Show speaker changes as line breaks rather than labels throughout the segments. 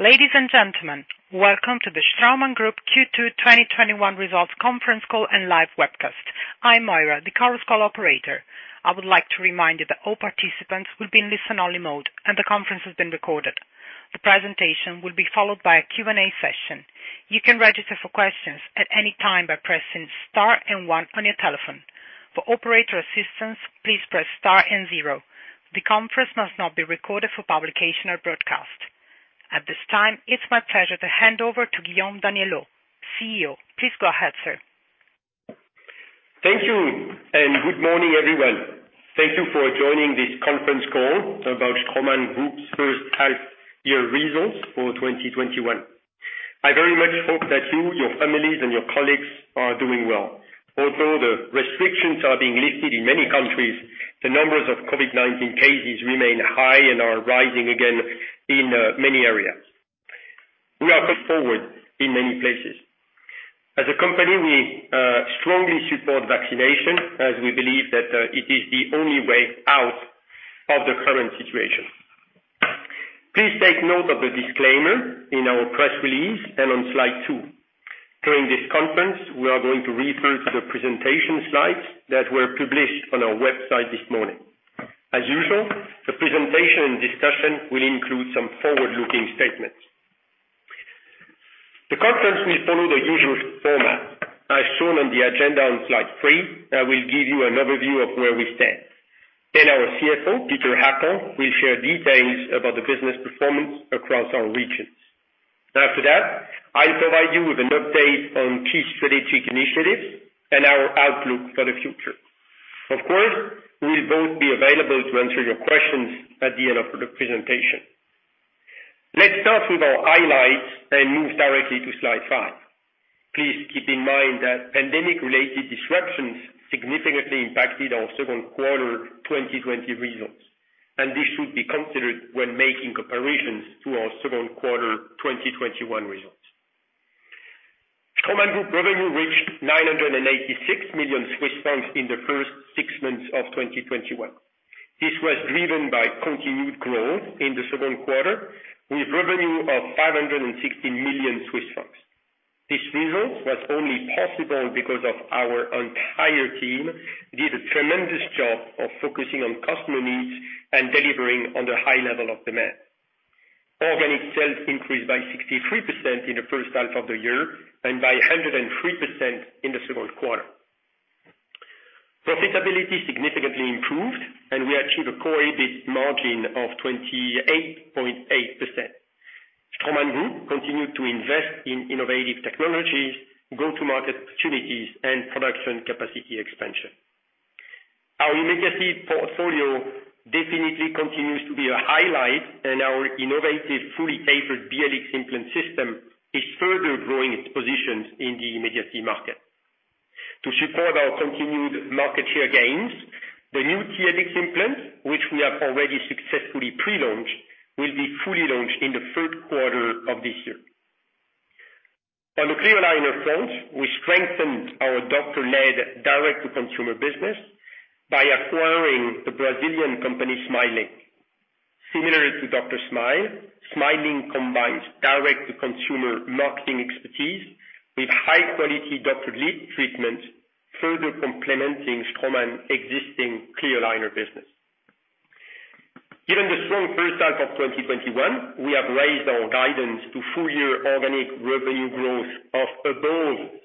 Ladies and gentlemen, welcome to the Straumann Group Q2 2021 results conference call and live webcast. I'm Moira, the Carrolls call operator. I would like to remind you that all participants will be in listen-only mode and the conference has been recorded. The presentation will be followed by a Q&A session. You can register for questions at any time by pressing star and one on your telephone. For operator assistance, please press star and zero. The conference must not be recorded for publication or broadcast. At this time, it's my pleasure to hand over to Guillaume Daniellot, CEO. Please go ahead, sir.
Thank you and good morning, everyone. Thank you for joining this conference call about Straumann Group's first half-year results for 2021. I very much hope that you, your families, and your colleagues are doing well. Although the restrictions are being lifted in many countries, the numbers of COVID-19 cases remain high and are rising again in many areas. We are put forward in many places. As a company, we strongly support vaccination as we believe that it is the only way out of the current situation. Please take note of the disclaimer in our press release and on slide two. During this conference, we are going to refer to the presentation slides that were published on our website this morning. As usual, the presentation and discussion will include some forward-looking statements. The conference will follow the usual format as shown on the agenda on slide three, and I will give you an overview of where we stand. Then our CFO, Peter Hackel, will share details about the business performance across our regions. After that, I'll provide you with an update on key strategic initiatives and our outlook for the future. Of course, we'll both be available to answer your questions at the end of the presentation. Let's start with our highlights and move directly to slide five. Please keep in mind that pandemic-related disruptions significantly impacted our second quarter 2020 results, and this should be considered when making comparisons to our second quarter 2021 results. Straumann Group revenue reached 986 million Swiss francs in the first six months of 2021. This was driven by continued growth in the second quarter, with revenue of 516 million Swiss francs. This result was only possible because our entire team did a tremendous job of focusing on customer needs and delivering on the high level of demand. Organic sales increased by 63% in the first half of the year and by 103% in the second quarter. Profitability significantly improved, and we achieved a core EBIT margin of 28.8%. Straumann Group continued to invest in innovative technologies, go-to-market opportunities, and production capacity expansion. Our immediate portfolio definitely continues to be a highlight, and our innovative fully tapered BLX implant system is further growing its positions in the immediate market. To support our continued market share gains, the new TLX implant, which we have already successfully pre-launched, will be fully launched in the third quarter of this year. On the clear alignment front, we strengthened our doctor-led direct-to-consumer business by acquiring the Brazilian company Smiling. Similar to Doctor Smile, Smiling combines direct-to-consumer marketing expertise with high-quality doctor-led treatment, further complementing Straumann's existing clear aligner business. Given the strong first half of 2021, we have raised our guidance to full-year organic revenue growth of above 30%,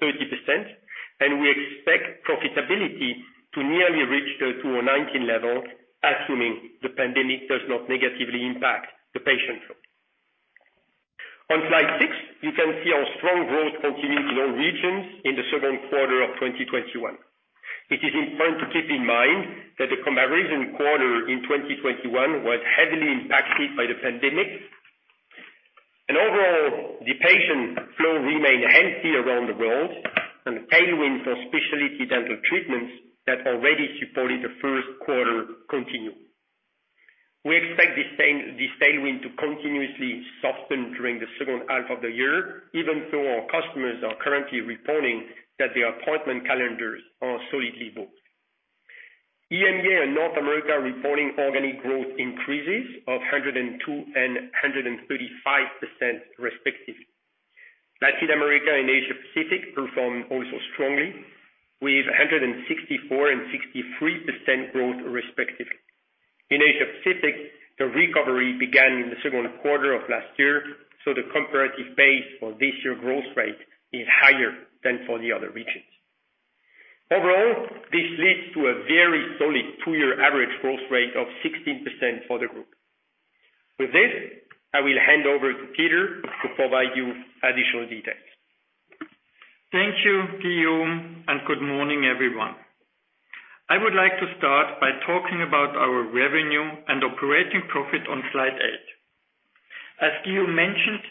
and we expect profitability to nearly reach the 2019 level, assuming the pandemic does not negatively impact the patient flow. On slide six, you can see our strong growth continues in all regions in the second quarter of 2021. It is important to keep in mind that the comparison quarter in 2021 was heavily impacted by the pandemic, and overall, the patient flow remained healthy around the world, and the tailwind for specialty dental treatments that already supported the first quarter continued. We expect this tailwind to continuously soften during the second half of the year, even though our customers are currently reporting that their appointment calendars are solidly booked. EMEA and North America are reporting organic growth increases of 102% and 135%, respectively. Latin America and Asia Pacific performed also strongly, with 164% and 63% growth, respectively. In Asia Pacific, the recovery began in the second quarter of last year, so the comparative base for this year's growth rate is higher than for the other regions. Overall, this leads to a very solid two-year average growth rate of 16% for the group. With this, I will hand over to Peter to provide you additional details.
Thank you, Guillaume, and good morning, everyone. I would like to start by talking about our revenue and operating profit on slide eight. As Guillaume mentioned,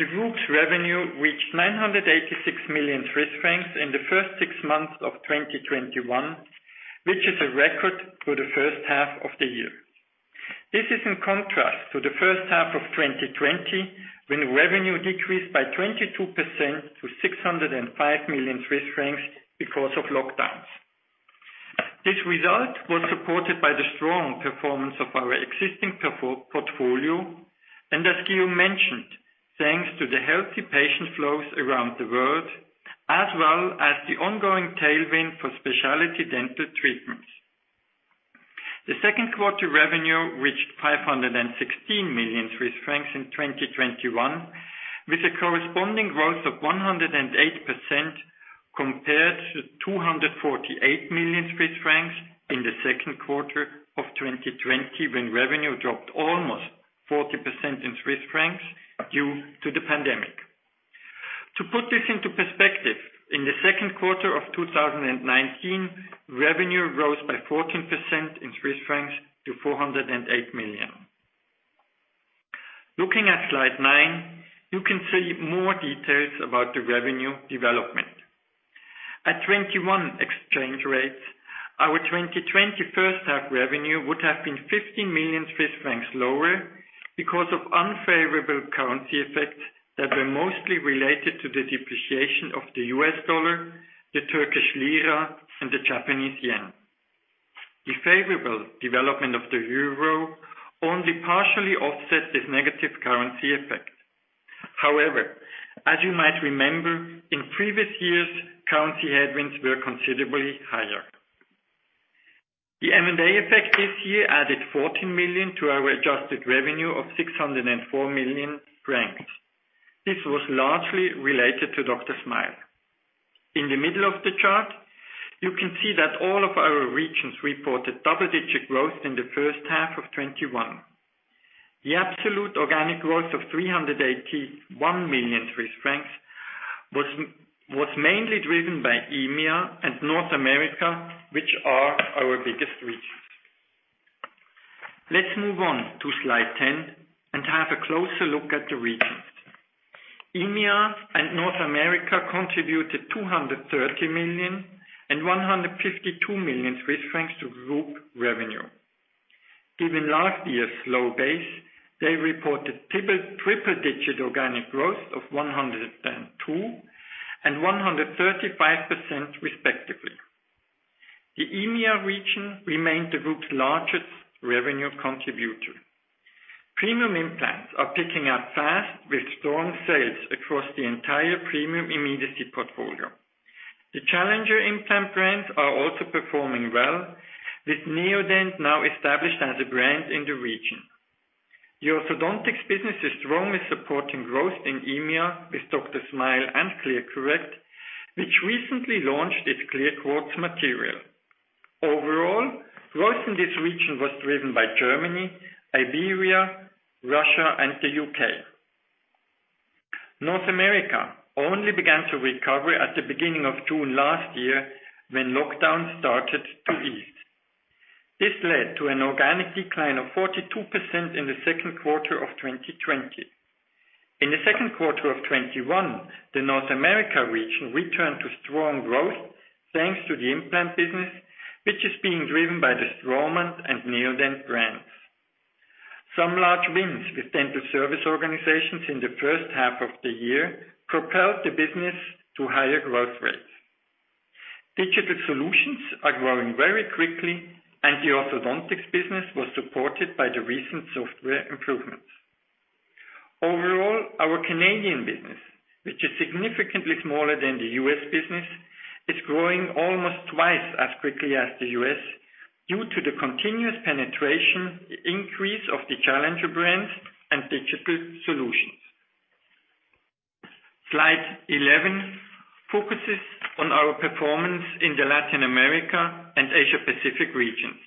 the group's revenue reached 986 million Swiss francs in the first six months of 2021, which is a record for the first half of the year. This is in contrast to the first half of 2020, when revenue decreased by 22% to 605 million Swiss francs because of lockdowns. This result was supported by the strong performance of our existing portfolio, and as Guillaume mentioned, thanks to the healthy patient flows around the world, as well as the ongoing tailwind for specialty dental treatments. The second quarter revenue reached 516 million Swiss francs in 2021, with a corresponding growth of 108% compared to 248 million Swiss francs in the second quarter of 2020, when revenue dropped almost 40% in Swiss francs due to the pandemic. To put this into perspective, in the second quarter of 2019, revenue rose by 14% in Swiss francs to 408 million. Looking at slide nine, you can see more details about the revenue development. At 2021 exchange rates, our 2020 first half revenue would have been 15 million Swiss francs lower because of unfavorable currency effects that were mostly related to the depreciation of the U.S. dollar, the Turkish lira, and the Japanese yen. The favorable development of the euro only partially offset this negative currency effect. However, as you might remember, in previous years, currency headwinds were considerably higher. The M&A effect this year added 14 million to our adjusted revenue of 604 million francs. This was largely related to Doctor Smile. In the middle of the chart, you can see that all of our regions reported double-digit growth in the first half of 2021. The absolute organic growth of 381 million Swiss francs was mainly driven by EMEA and North America, which are our biggest regions. Let's move on to slide 10 and have a closer look at the regions. EMEA and North America contributed 230 million and 152 million Swiss francs to group revenue. Given last year's low base, they reported triple-digit organic growth of 102% and 135%, respectively. The EMEA region remained the group's largest revenue contributor. Premium implants are picking up fast, with strong sales across the entire premium immediacy portfolio. The challenger implant brands are also performing well, with Neodent now established as a brand in the region. The orthOddontics business is strongly supporting growth in EMEA with Doctor Smile and ClearCorrect, which recently launched its Clear Quartz material. Overall, growth in this region was driven by Germany, Liberia, Russia, and the U.K. North America only began to recover at the beginning of June last year when lockdowns started to ease. This led to an organic decline of 42% in the second quarter of 2020. In the second quarter of 2021, the North America region returned to strong growth thanks to the implant business, which is being driven by the Straumann and Neodent brands. Some large wins with dental service organizations in the first half of the year propelled the business to higher growth rates. Digital solutions are growing very quickly, and the orthOddontics business was supported by the recent software improvements. Overall, our Canadian business, which is significantly smaller than the U.S. business, is growing almost twice as quickly as the U.S. due to the continuous penetration, increase of the Challenger brands, and digital solutions. Slide 11 focuses on our performance in the Latin America and Asia Pacific regions.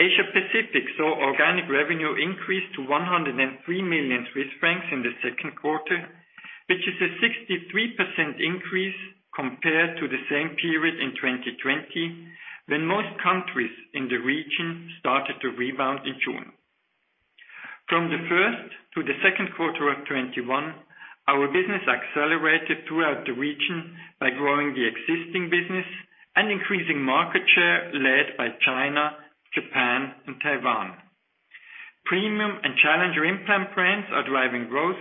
Asia Pacific saw organic revenue increase to 103 million Swiss francs in the second quarter, which is a 63% increase compared to the same period in 2020 when most countries in the region started to rebound in June. From the first to the second quarter of 2021, our business accelerated throughout the region by growing the existing business and increasing market share led by China, Japan, and Taiwan. Premium and Challenger implant brands are driving growth,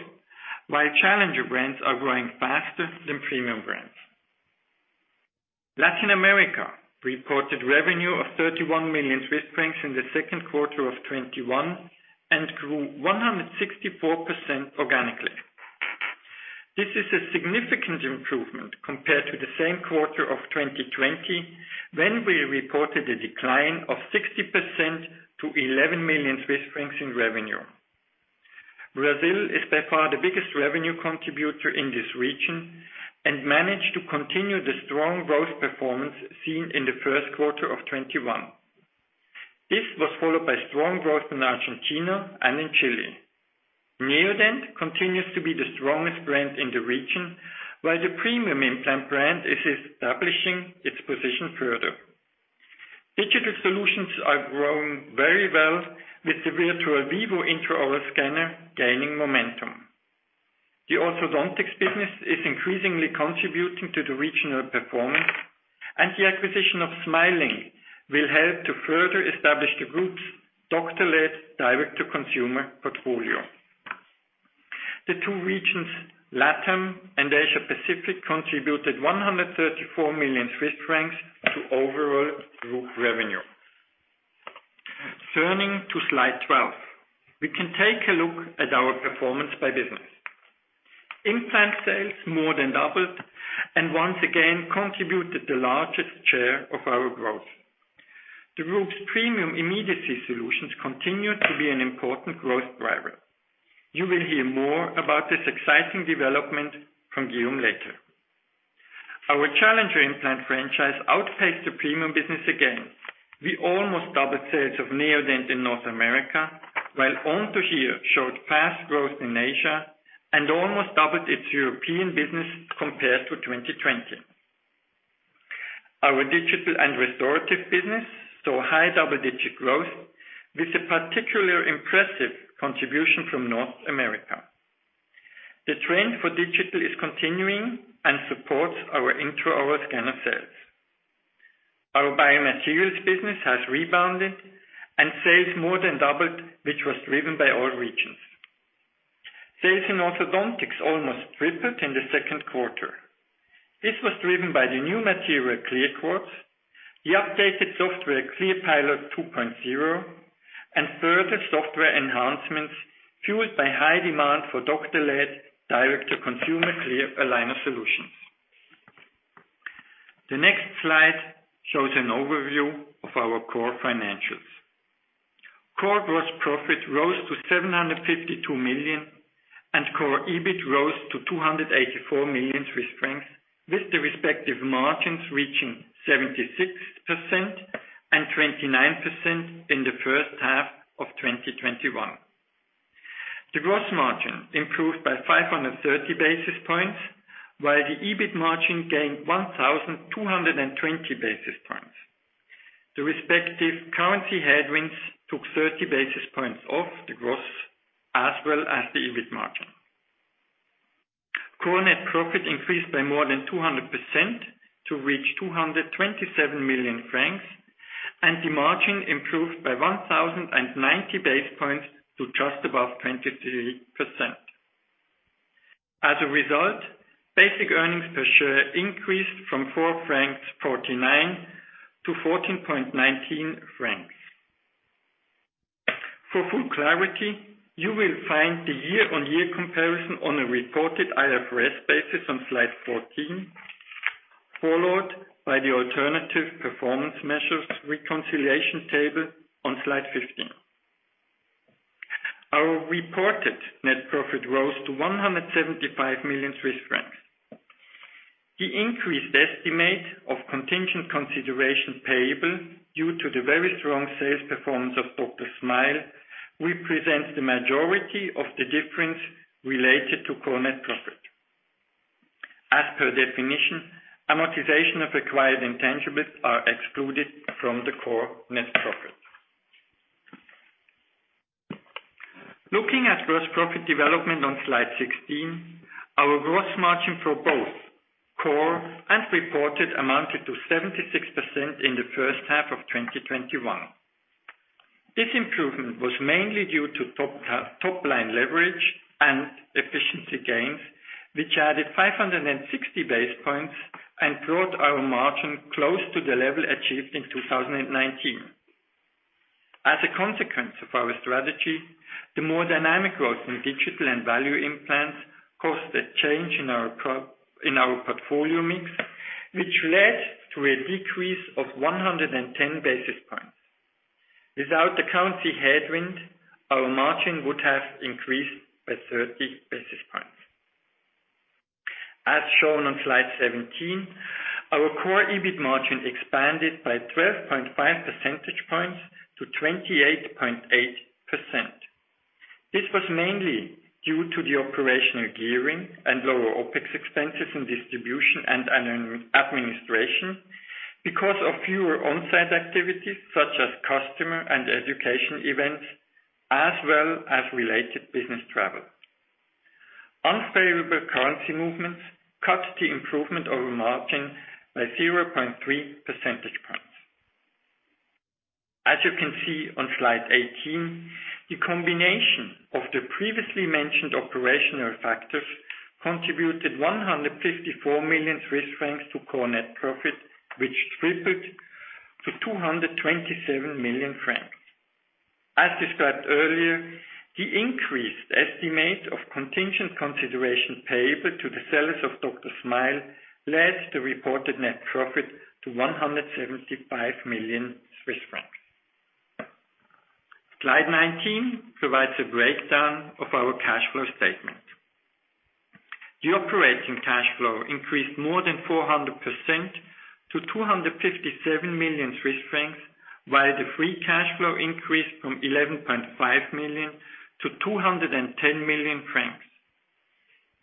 while Challenger brands are growing faster than premium brands. Latin America reported revenue of 31 million Swiss francs in the second quarter of 2021 and grew 164% organically. This is a significant improvement compared to the same quarter of 2020, when we reported a decline of 60% to 11 million Swiss francs in revenue. Brazil is by far the biggest revenue contributor in this region and managed to continue the strong growth performance seen in the first quarter of 2021. This was followed by strong growth in Argentina and in Chile. Neodent continues to be the strongest brand in the region, while the premium implant brand is establishing its position further. Digital solutions are growing very well, with the Virtuo Vivo intraoral scanner gaining momentum. The orthOddontics business is increasingly contributing to the regional performance, and the acquisition of Smiling will help to further establish the group's doctor-led direct-to-consumer portfolio. The two regions, Latin and Asia Pacific, contributed 134 million Swiss francs to overall group revenue. Turning to slide 12, we can take a look at our performance by business. Implant sales more than doubled and once again contributed the largest share of our growth. The group's premium immediacy solutions continue to be an important growth driver. You will hear more about this exciting development from Guillaume later. Our Challenger implant franchise outpaced the premium business again. We almost doubled sales of Neodent in North America, while ONTOGEAR showed fast growth in Asia and almost doubled its European business compared to 2020. Our digital and restorative business saw high double-digit growth, with a particularly impressive contribution from North America. The trend for digital is continuing and supports our intraoral scanner sales. Our biomaterials business has rebounded and sales more than doubled, which was driven by all regions. Sales in orthOddontics almost tripled in the second quarter. This was driven by the new material Clear Quartz, the updated software ClearPilot 2.0, and further software enhancements fueled by high demand for doctor-led direct-to-consumer Clear aligners solutions. The next slide shows an overview of our core financials. Core gross profit rose to 752 million and core EBIT rose to 284 million Swiss francs, with the respective margins reaching 76% and 29% in the first half of 2021. The gross margin improved by 530 basis points, while the EBIT margin gained 1,220 basis points. The respective currency headwinds took 30 basis points off the gross as well as the EBIT margin. Core net profit increased by more than 200% to reach 227 million francs, and the margin improved by 1,090 basis points to just above 23%. As a result, basic earnings per share increased from 4.49 francs to 14.19 francs. For full clarity, you will find the year-on-year comparison on a reported IFRS basis on slide 14, followed by the alternative performance measures reconciliation table on slide 15. Our reported net profit rose to 175 million Swiss francs. The increased estimate of contingent consideration payable due to the very strong sales performance of Doctor Smile represents the majority of the difference related to core net profit. As per definition, amortization of acquired intangibles are excluded from the core net profit. Looking at gross profit development on slide 16, our gross margin for both core and reported amounted to 76% in the first half of 2021. This improvement was mainly due to top-line leverage and efficiency gains, which added 560 basis points and brought our margin close to the level achieved in 2019. As a consequence of our strategy, the more dynamic growth in digital and value implants caused a change in our portfolio mix, which led to a decrease of 110 basis points. Without the currency headwind, our margin would have increased by 30 basis points. As shown on slide 17, our core EBIT margin expanded by 12.5 percentage points to 28.8%. This was mainly due to the operational gearing and lower OpEx expenses in distribution and administration because of fewer onsite activities such as customer and education events, as well as related business travel. Unfavorable currency movements cut the improvement of the margin by 0.3 percentage points. As you can see on slide 18, the combination of the previously mentioned operational factors contributed 154 million Swiss francs to core net profit, which tripled to 227 million francs. As described earlier, the increased estimate of contingent consideration payable to the sales of Doctor Smile led to reported net profit to 175 million Swiss francs. Slide 19 provides a breakdown of our cash flow statement. The operating cash flow increased more than 400% to 257 million Swiss francs, while the free cash flow increased from 11.5 million to 210 million francs.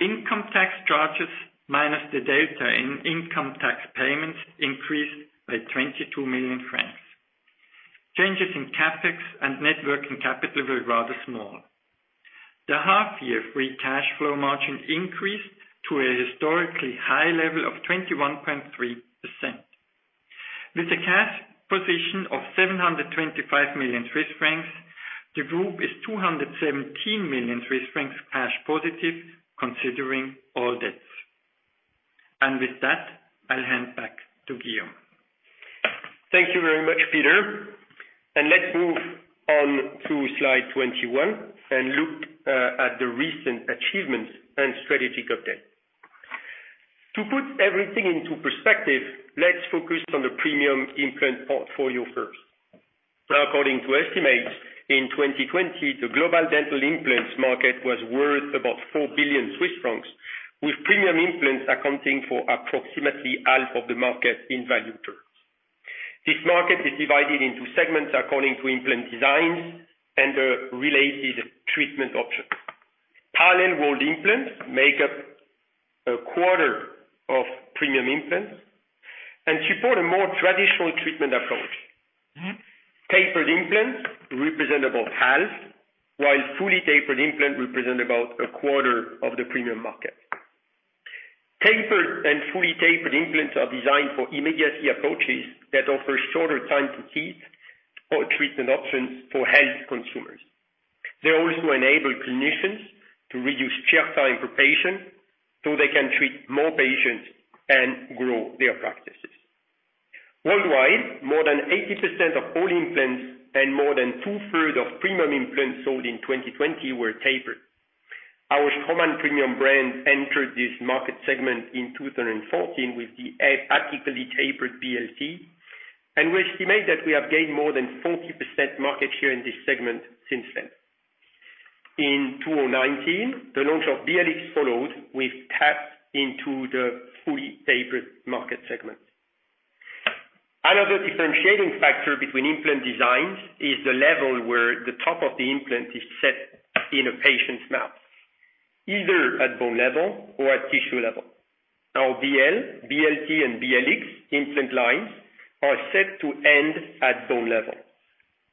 Income tax charges minus the delta in income tax payments increased by 22 million francs. Changes in CapEx and networking capital were rather small. The half-year free cash flow margin increased to a historically high level of 21.3%. With a cash position of 725 million Swiss francs, the group is 217 million Swiss francs cash positive, considering all debts. I'll hand back to Guillaume.
Thank you very much, Peter. Let's move on to slide 21 and look at the recent achievements and strategic update. To put everything into perspective, let's focus on the premium implant portfolio first. According to estimates, in 2020, the global dental implants market was worth about 4 billion Swiss francs, with premium implants accounting for approximately half of the market in value terms. This market is divided into segments according to implant designs and the related treatment options. Parallel wall implants make up a quarter of premium implants and support a more traditional treatment approach. Tapered implants represent about half, while fully tapered implants represent about a quarter of the premium market. Tapered and fully tapered implants are designed for immediacy approaches that offer shorter time to seat or treatment options for health consumers. They also enable clinicians to reduce chair time per patient so they can treat more patients and grow their practices. Worldwide, more than 80% of all implants and more than two-thirds of premium implants sold in 2020 were tapered. Our Straumann Premium brand entered this market segment in 2014 with the articulated tapered BLT, and we estimate that we have gained more than 40% market share in this segment since then. In 2019, the launch of BLX followed, which tapped into the fully tapered market segment. Another differentiating factor between implant designs is the level where the top of the implant is set in a patient's mouth, either at bone level or at tissue level. Our BL, BLT, and BLX implant lines are set to end at bone level.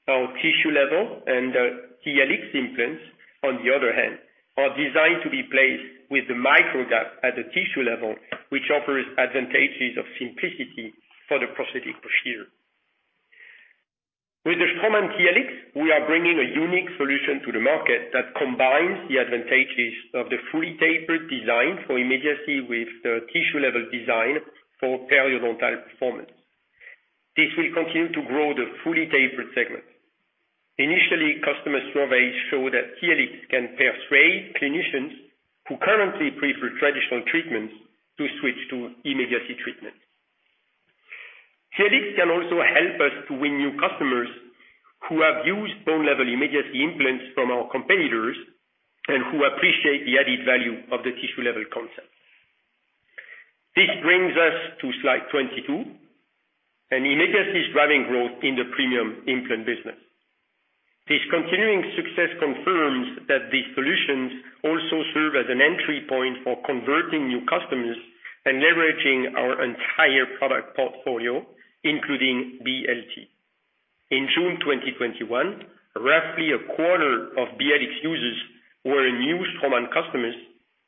Our tissue level and the TLX implants, on the other hand, are designed to be placed with the micro gap at the tissue level, which offers advantages of simplicity for the prosthetic procedure. With the Straumann TLX, we are bringing a unique solution to the market that combines the advantages of the fully tapered design for immediacy with the tissue level design for periOddontal performance. This will continue to grow the fully tapered segment. Initially, customer surveys show that TLX can persuade clinicians who currently prefer traditional treatments to switch to immediacy treatment. TLX can also help us to win new customers who have used bone-level immediacy implants from our competitors and who appreciate the added value of the tissue-level concept. This brings us to slide 22, and immediacy is driving growth in the premium implant business. This continuing success confirms that these solutions also serve as an entry point for converting new customers and leveraging our entire product portfolio, including BLT. In June 2021, roughly a quarter of BLX users were new Straumann customers,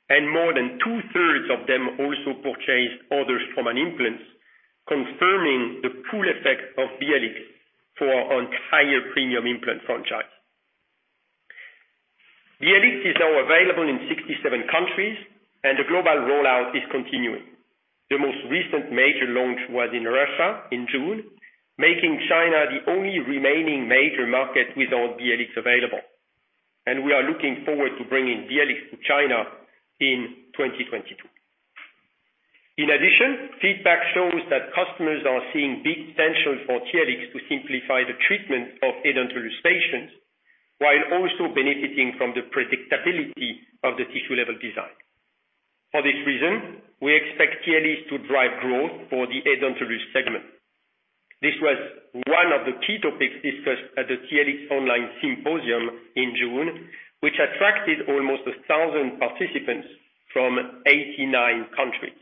and more than two-thirds of them also purchased other Straumann implants, confirming the pull effect of BLX for our entire premium implant franchise. BLX is now available in 67 countries, and the global rollout is continuing. The most recent major launch was in Russia in June, making China the only remaining major market without BLX available. We are looking forward to bringing BLX to China in 2022. In addition, feedback shows that customers are seeing big potential for TLX to simplify the treatment of edentulous patients, while also benefiting from the predictability of the tissue-level design. For this reason, we expect TLX to drive growth for the edentulous segment. This was one of the key topics discussed at the TLX online symposium in June, which attracted almost 1,000 participants from 89 countries.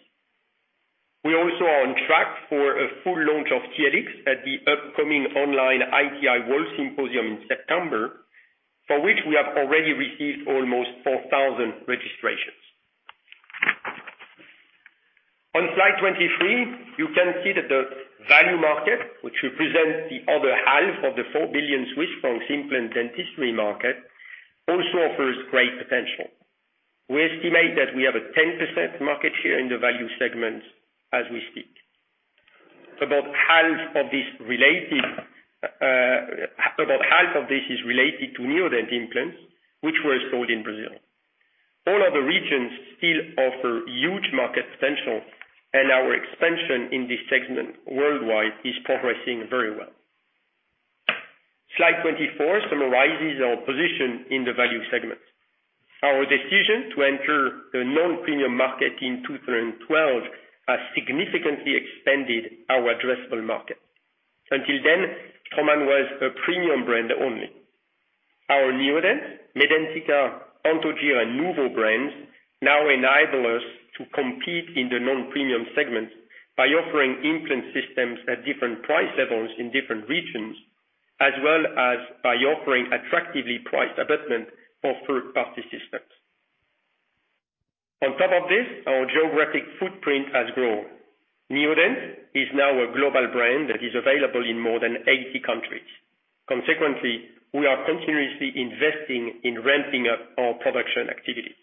We also are on track for a full launch of TLX at the upcoming online ITI World Symposium in September, for which we have already received almost 4,000 registrations. On slide 23, you can see that the value market, which represents the other half of the 4 billion Swiss francs implant dentistry market, also offers great potential. We estimate that we have a 10% market share in the value segment as we speak. About half of this is related to Neodent implants, which were sold in Brazil. All other regions still offer huge market potential, and our expansion in this segment worldwide is progressing very well. Slide 24 summarizes our position in the value segment. Our decision to enter the non-premium market in 2012 has significantly expanded our addressable market. Until then, Straumann was a premium brand only. Our Neodent, MEDENTiKA, ONTOGEAR, and Nuvo brands now enable us to compete in the non-premium segment by offering implant systems at different price levels in different regions, as well as by offering attractively priced abutment or third-party systems. On top of this, our geographic footprint has grown. Neodent is now a global brand that is available in more than 80 countries. Consequently, we are continuously investing in ramping up our production activity.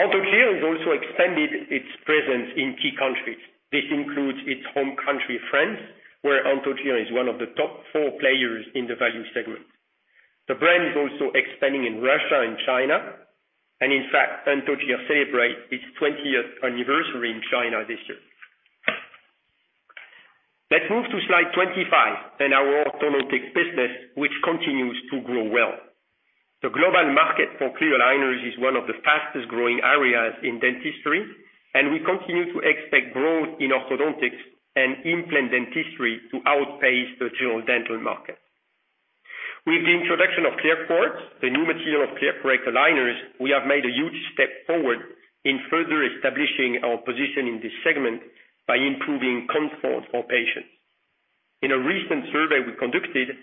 ONTOGEAR has also expanded its presence in key countries. This includes its home country, France, where ONTOGEAR is one of the top four players in the value segment. The brand is also expanding in Russia and China, and in fact, ONTOGEAR celebrates its 20th anniversary in China this year. Let's move to slide 25 and our orthOddontic business, which continues to grow well. The global market for clear aligners is one of the fastest-growing areas in dentistry, and we continue to expect growth in orthOddontics and implant dentistry to outpace the general dental market. With the introduction of ClearQuartz, the new material of ClearCorrect aligners, we have made a huge step forward in further establishing our position in this segment by improving comfort for patients. In a recent survey we conducted,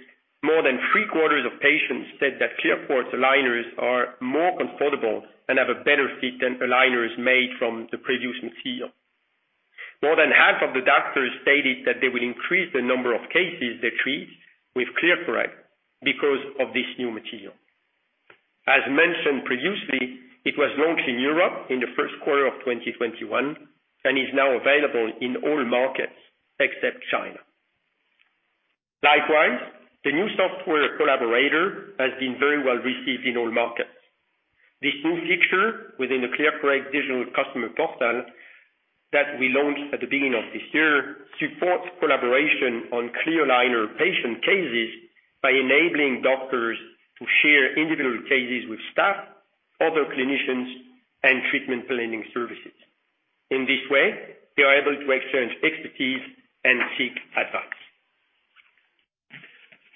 more than three-quarters of patients said that ClearQuartz aligners are more comfortable and have a better fit than aligners made from the previous material. More than half of the doctors stated that they will increase the number of cases they treat with ClearCorrect because of this new material. As mentioned previously, it was launched in Europe in the first quarter of 2021 and is now available in all markets except China. Likewise, the new software Collaborator has been very well received in all markets. This new feature within the ClearCorrect digital customer portal that we launched at the beginning of this year supports collaboration on clear aligner patient cases by enabling doctors to share individual cases with staff, other clinicians, and treatment planning services. In this way, they are able to exchange expertise and seek advice.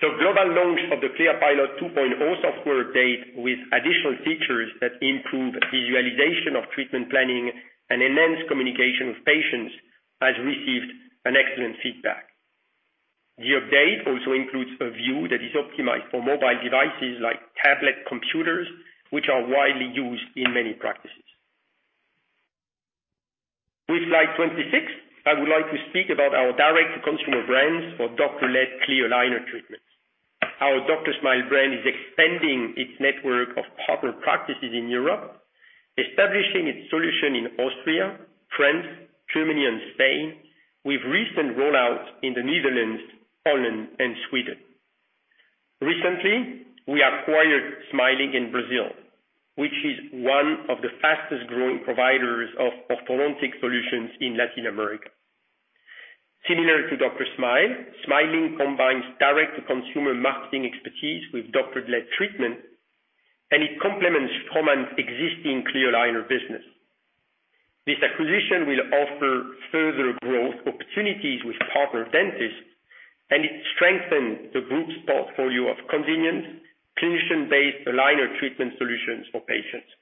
The global launch of the ClearPilot 2.0 software update with additional features that improve visualization of treatment planning and enhance communication with patients has received excellent feedback. The update also includes a view that is optimized for mobile devices like tablet computers, which are widely used in many practices. With slide 26, I would like to speak about our direct-to-consumer brands for doctor-led clear aligner treatments. Our Doctor Smile brand is expanding its network of partner practices in Europe, establishing its solution in Austria, France, Germany, and Spain, with recent rollout in the Netherlands and Sweden. Recently, we acquired Smiling in Brazil, which is one of the fastest-growing providers of orthOddontic solutions in Latin America. Similar to Doctor Smile, Smiling combines direct-to-consumer marketing expertise with doctor-led treatment, and it complements Straumann's existing clear aligner business. This acquisition will offer further growth opportunities with partner dentists, and it strengthens the group's portfolio of convenient clinician-based aligner treatment solutions for patients.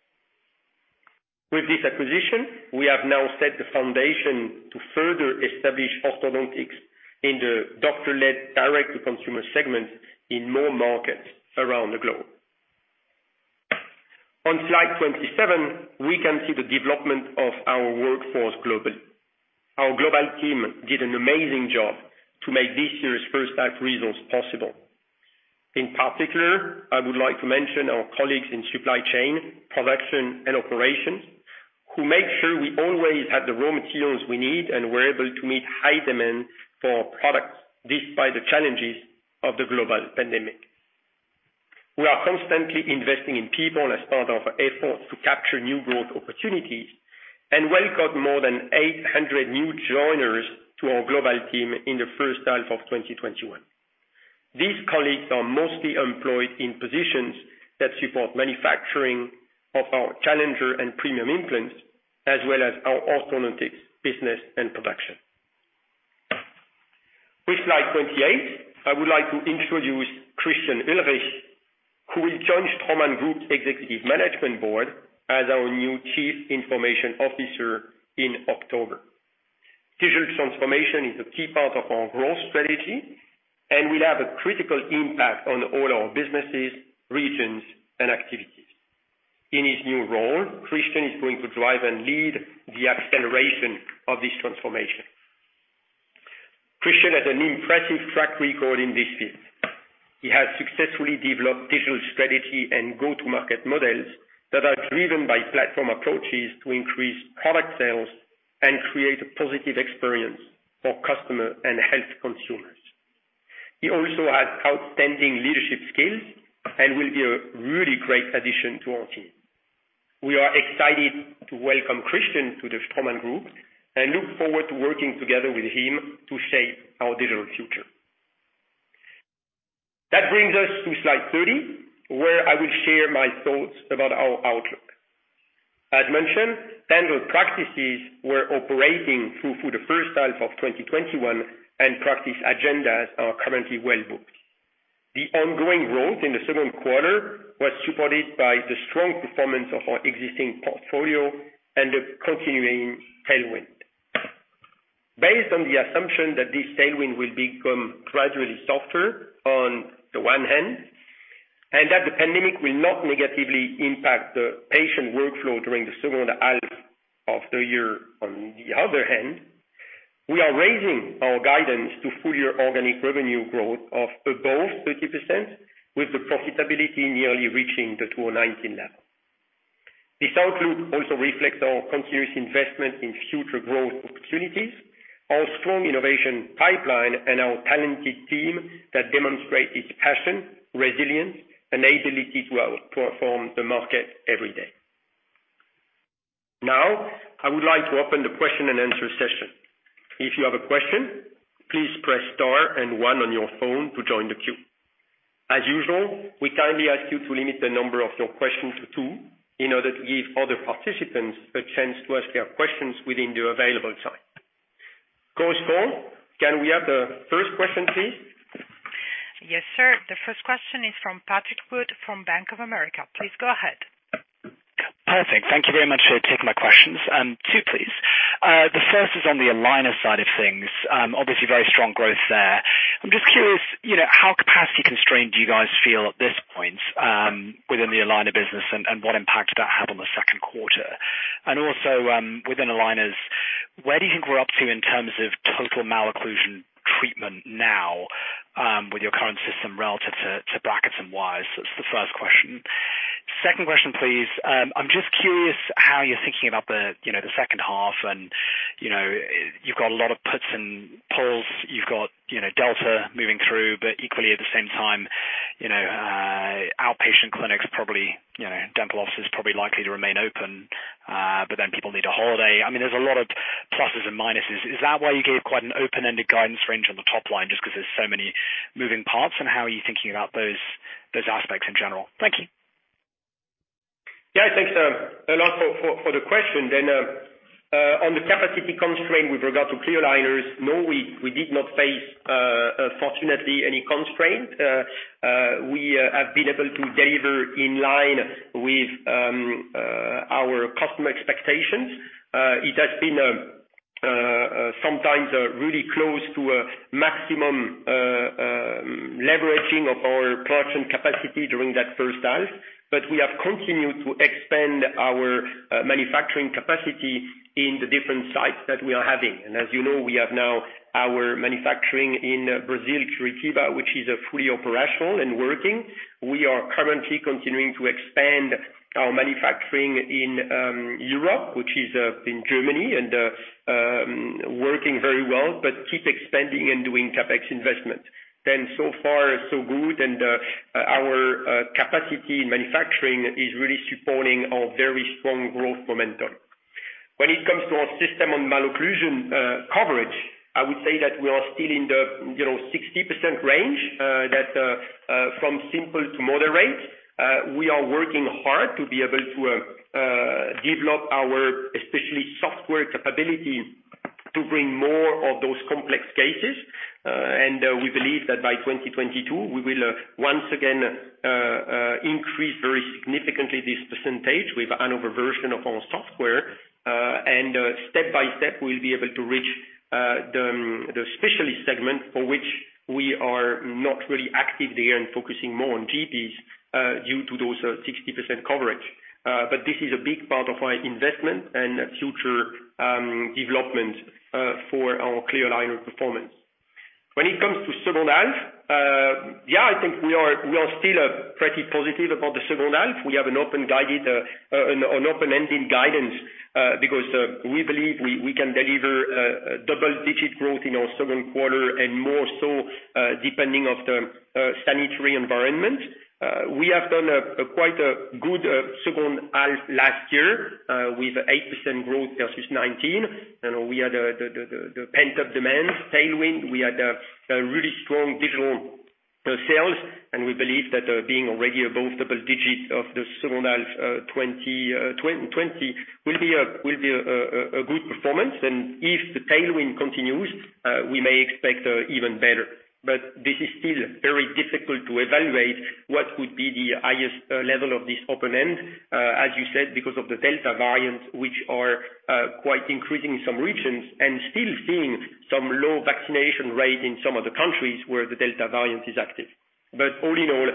With this acquisition, we have now set the foundation to further establish orthOddontics in the doctor-led direct-to-consumer segment in more markets around the globe. On slide 27, we can see the development of our workforce globally. Our global team did an amazing job to make this year's first-time results possible. In particular, I would like to mention our colleagues in supply chain, production, and operations, who make sure we always have the raw materials we need and were able to meet high demand for our products despite the challenges of the global pandemic. We are constantly investing in people as part of our efforts to capture new growth opportunities and welcomed more than 800 new joiners to our global team in the first half of 2021. These colleagues are mostly employed in positions that support manufacturing of our Challenger and premium implants, as well as our orthOddontics business and production. With slide 28, I would like to introduce Christian Ullrich, who will join Straumann Group's Executive Management Board as our new Chief Information Officer in October. Digital transformation is a key part of our growth strategy, and we have a critical impact on all our businesses, regions, and activities. In his new role, Christian is going to drive and lead the acceleration of this transformation. Christian has an impressive track record in this field. He has successfully developed digital strategy and go-to-market models that are driven by platform approaches to increase product sales and create a positive experience for customers and health consumers. He also has outstanding leadership skills and will be a really great addition to our team. We are excited to welcome Christian to the Straumann Group and look forward to working together with him to shape our digital future. That brings us to slide 30, where I will share my thoughts about our outlook. As mentioned, standard practices were operating through the first half of 2021, and practice agendas are currently well booked. The ongoing growth in the second quarter was supported by the strong performance of our existing portfolio and the continuing tailwind. Based on the assumption that this tailwind will become gradually softer on the one hand, and that the pandemic will not negatively impact the patient workflow during the second half of the year, on the other hand, we are raising our guidance to full-year organic revenue growth of above 30%, with the profitability nearly reaching the 2019 level. This outlook also reflects our continuous investment in future growth opportunities, our strong innovation pipeline, and our talented team that demonstrates its passion, resilience, and ability to outperform the market every day. Now, I would like to open the question and answer session. If you have a question, please press star and one on your phone to join the queue. As usual, we kindly ask you to limit the number of your questions to two in order to give other participants a chance to ask their questions within the available time. Goes forward, can we have the first question, please?
Yes, sir. The first question is from Patrick Wood from Bank of America. Please go ahead.
Perfect. Thank you very much for taking my questions. Two, please. The first is on the aligner side of things. Obviously, very strong growth there. I'm just curious, how capacity constrained do you guys feel at this point within the aligner business, and what impact did that have on the second quarter? Also, within aligners, where do you think we're up to in terms of total malocclusion treatment now with your current system relative to brackets and wires? That's the first question. Second question, please. I'm just curious how you're thinking about the second half, and you've got a lot of puts and pulls. You've got Delta moving through, but equally, at the same time, outpatient clinics, dental offices are probably likely to remain open, but then people need a holiday. I mean, there's a lot of pluses and minuses. Is that why you gave quite an open-ended guidance range on the top line, just because there's so many moving parts? How are you thinking about those aspects in general? Thank you.
Yeah, thanks a lot for the question. On the capacity constraint with regard to clear aligners, no, we did not face, fortunately, any constraint. We have been able to deliver in line with our customer expectations. It has been sometimes really close to maximum leveraging of our production capacity during that first half, but we have continued to expand our manufacturing capacity in the different sites that we are having. As you know, we have now our manufacturing in Brazil, Curitiba, which is fully operational and working. We are currently continuing to expand our manufacturing in Europe, which is in Germany, and working very well, but keep expanding and doing CapEx investment. So far, so good, and our capacity in manufacturing is really supporting our very strong growth momentum. When it comes to our system on malocclusion coverage, I would say that we are still in the 60% range, that from simple to moderate. We are working hard to be able to develop our especially software capability to bring more of those complex cases. We believe that by 2022, we will once again increase very significantly this percentage with another version of our software. Step by step, we'll be able to reach the specialist segment for which we are not really active there and focusing more on GBs due to those 60% coverage. This is a big part of our investment and future development for our clear aligner performance. When it comes to second half, yeah, I think we are still pretty positive about the second half. We have an open-ended guidance because we believe we can deliver double-digit growth in our second quarter and more so depending on the sanitary environment. We have done quite a good second half last year with 8% growth versus 2019. We had the pent-up demand, tailwind. We had really strong digital sales, and we believe that being already above double digits of the second half 2020 will be a good performance. If the tailwind continues, we may expect even better. This is still very difficult to evaluate what would be the highest level of this open-end, as you said, because of the Delta variants, which are quite increasing in some regions and still seeing some low vaccination rate in some of the countries where the Delta variant is active. All in all,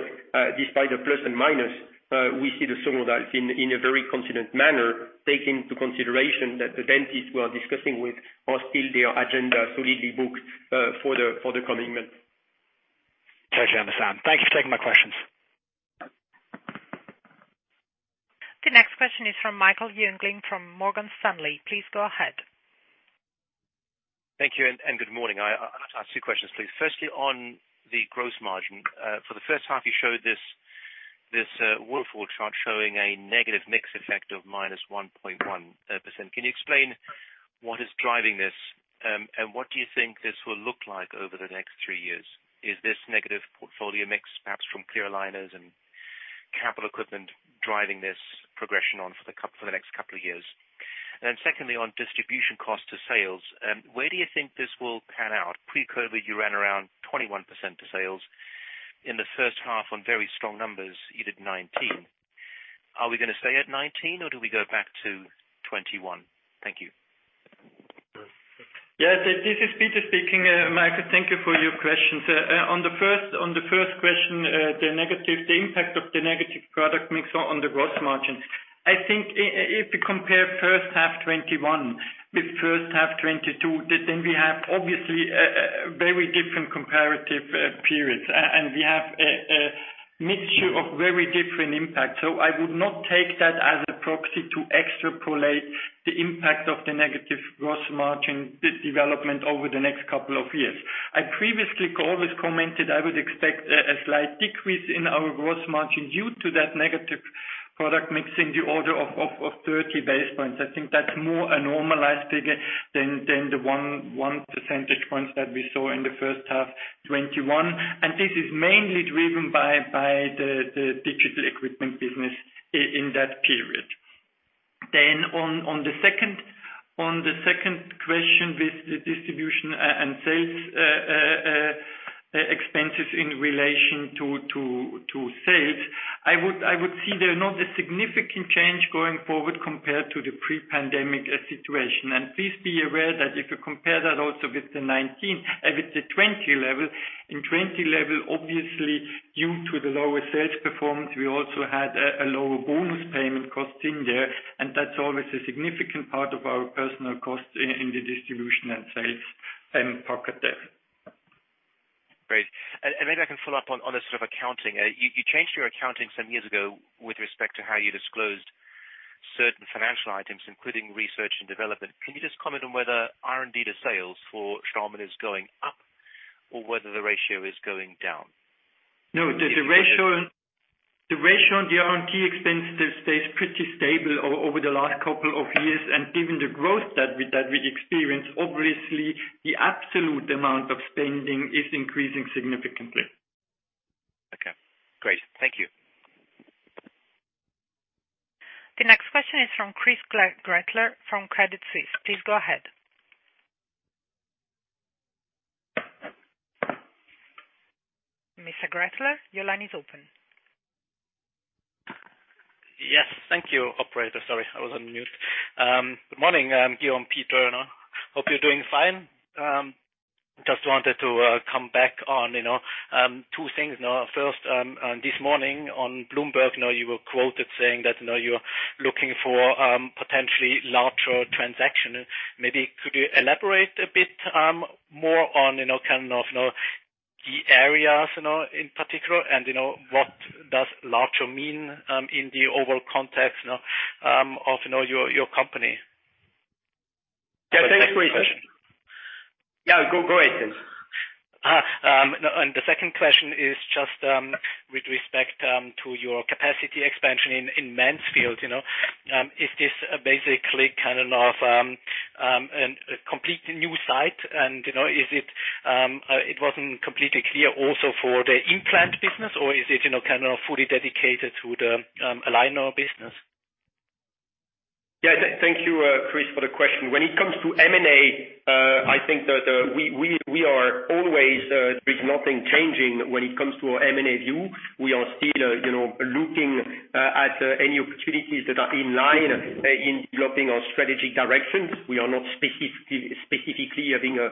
despite the plus and minus, we see the second half in a very confident manner, taking into consideration that the dentists we are discussing with are still their agenda solidly booked for the coming month.
Thank you for taking my questions.
The next question is from Michael Jungling from Morgan Stanley. Please go ahead.
Thank you, and good morning. I'd like to ask two questions, please. Firstly, on the gross margin, for the first half, you showed this waterfall chart showing a negative mix effect of -1.1%. Can you explain what is driving this, and what do you think this will look like over the next three years? Is this negative portfolio mix, perhaps from clear aligners and capital equipment, driving this progression on for the next couple of years? Secondly, on distribution cost to sales, where do you think this will pan out? Pre-COVID, you ran around 21% to sales. In the first half, on very strong numbers, you did 19%. Are we going to stay at 19%, or do we go back to 21%? Thank you.
Yeah, this is Peter speaking. Michael, thank you for your questions. On the first question, the impact of the negative product mix on the gross margin, I think if you compare first half 2021 with first half 2022, then we have obviously very different comparative periods, and we have a mixture of very different impacts. I would not take that as a proxy to extrapolate the impact of the negative gross margin development over the next couple of years. I previously always commented I would expect a slight decrease in our gross margin due to that negative product mix in the order of 30 basis points. I think that is more a normalized figure than the one percentage point that we saw in the first half 2021. This is mainly driven by the digital equipment business in that period. On the second question with the distribution and sales expenses in relation to sales, I would see there not a significant change going forward compared to the pre-pandemic situation. Please be aware that if you compare that also with the 2019 and with the 2020 level, in 2020 level, obviously, due to the lower sales performance, we also had a lower bonus payment cost in there, and that's always a significant part of our personnel cost in the distribution and sales pocket there.
Great. Maybe I can follow up on the sort of accounting. You changed your accounting some years ago with respect to how you disclosed certain financial items, including research and development. Can you just comment on whether R&D to sales for Straumann is going up or whether the ratio is going down?
No, the ratio on the R&D expense stays pretty stable over the last couple of years. Given the growth that we experience, obviously, the absolute amount of spending is increasing significantly.
Okay. Great. Thank you.
The next question is from Chris Grekler from Credit Suisse. Please go ahead. Mr. Grekler, your line is open.
Yes, thank you, Operator. Sorry, I was on mute. Good morning Guillaume Daniellot. Hope you're doing fine. Just wanted to come back on two things. First, this morning on Bloomberg, you were quoted saying that you're looking for potentially larger transactions. Maybe could you elaborate a bit more on kind of the areas in particular, and what does larger mean in the overall context of your company?
Yeah, thanks for your question. Yeah, go ahead, please.
The second question is just with respect to your capacity expansion in Mansfield. Is this basically kind of a completely new site? It was not completely clear also for the implant business, or is it kind of fully dedicated to the aligner business?
Yeah, thank you, Chris, for the question. When it comes to M&A, I think that we are always—there is nothing changing when it comes to our M&A view. We are still looking at any opportunities that are in line in developing our strategic directions. We are not specifically having a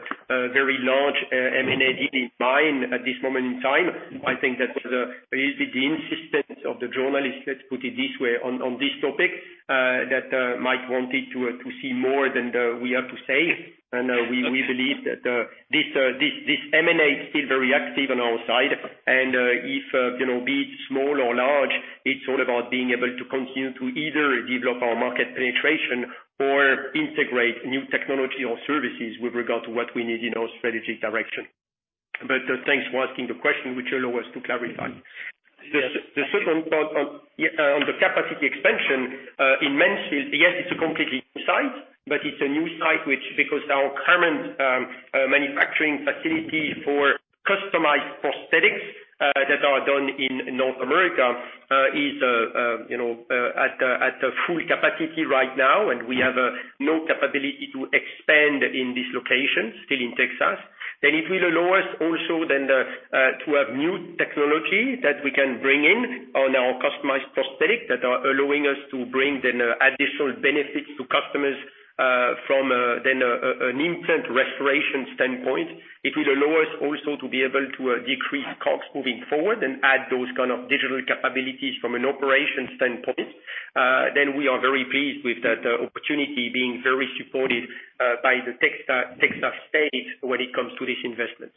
very large M&A deal in mind at this moment in time. I think that was a little bit the insistence of the journalists, let's put it this way, on this topic, that Mike wanted to see more than we have to say. We believe that this M&A is still very active on our side. If, be it small or large, it's all about being able to continue to either develop our market penetration or integrate new technology or services with regard to what we need in our strategic direction. Thanks for asking the question, which allow us to clarify. The second part on the capacity expansion in Mansfield, yes, it's a completely new site, but it's a new site because our current manufacturing facility for customized prosthetics that are done in North America is at full capacity right now, and we have no capability to expand in this location, still in Texas. It will allow us also to have new technology that we can bring in on our customized prosthetics that are allowing us to bring additional benefits to customers from an implant restoration standpoint. It will allow us also to be able to decrease costs moving forward and add those kind of digital capabilities from an operations standpoint. We are very pleased with that opportunity being very supported by the Texas state when it comes to this investment.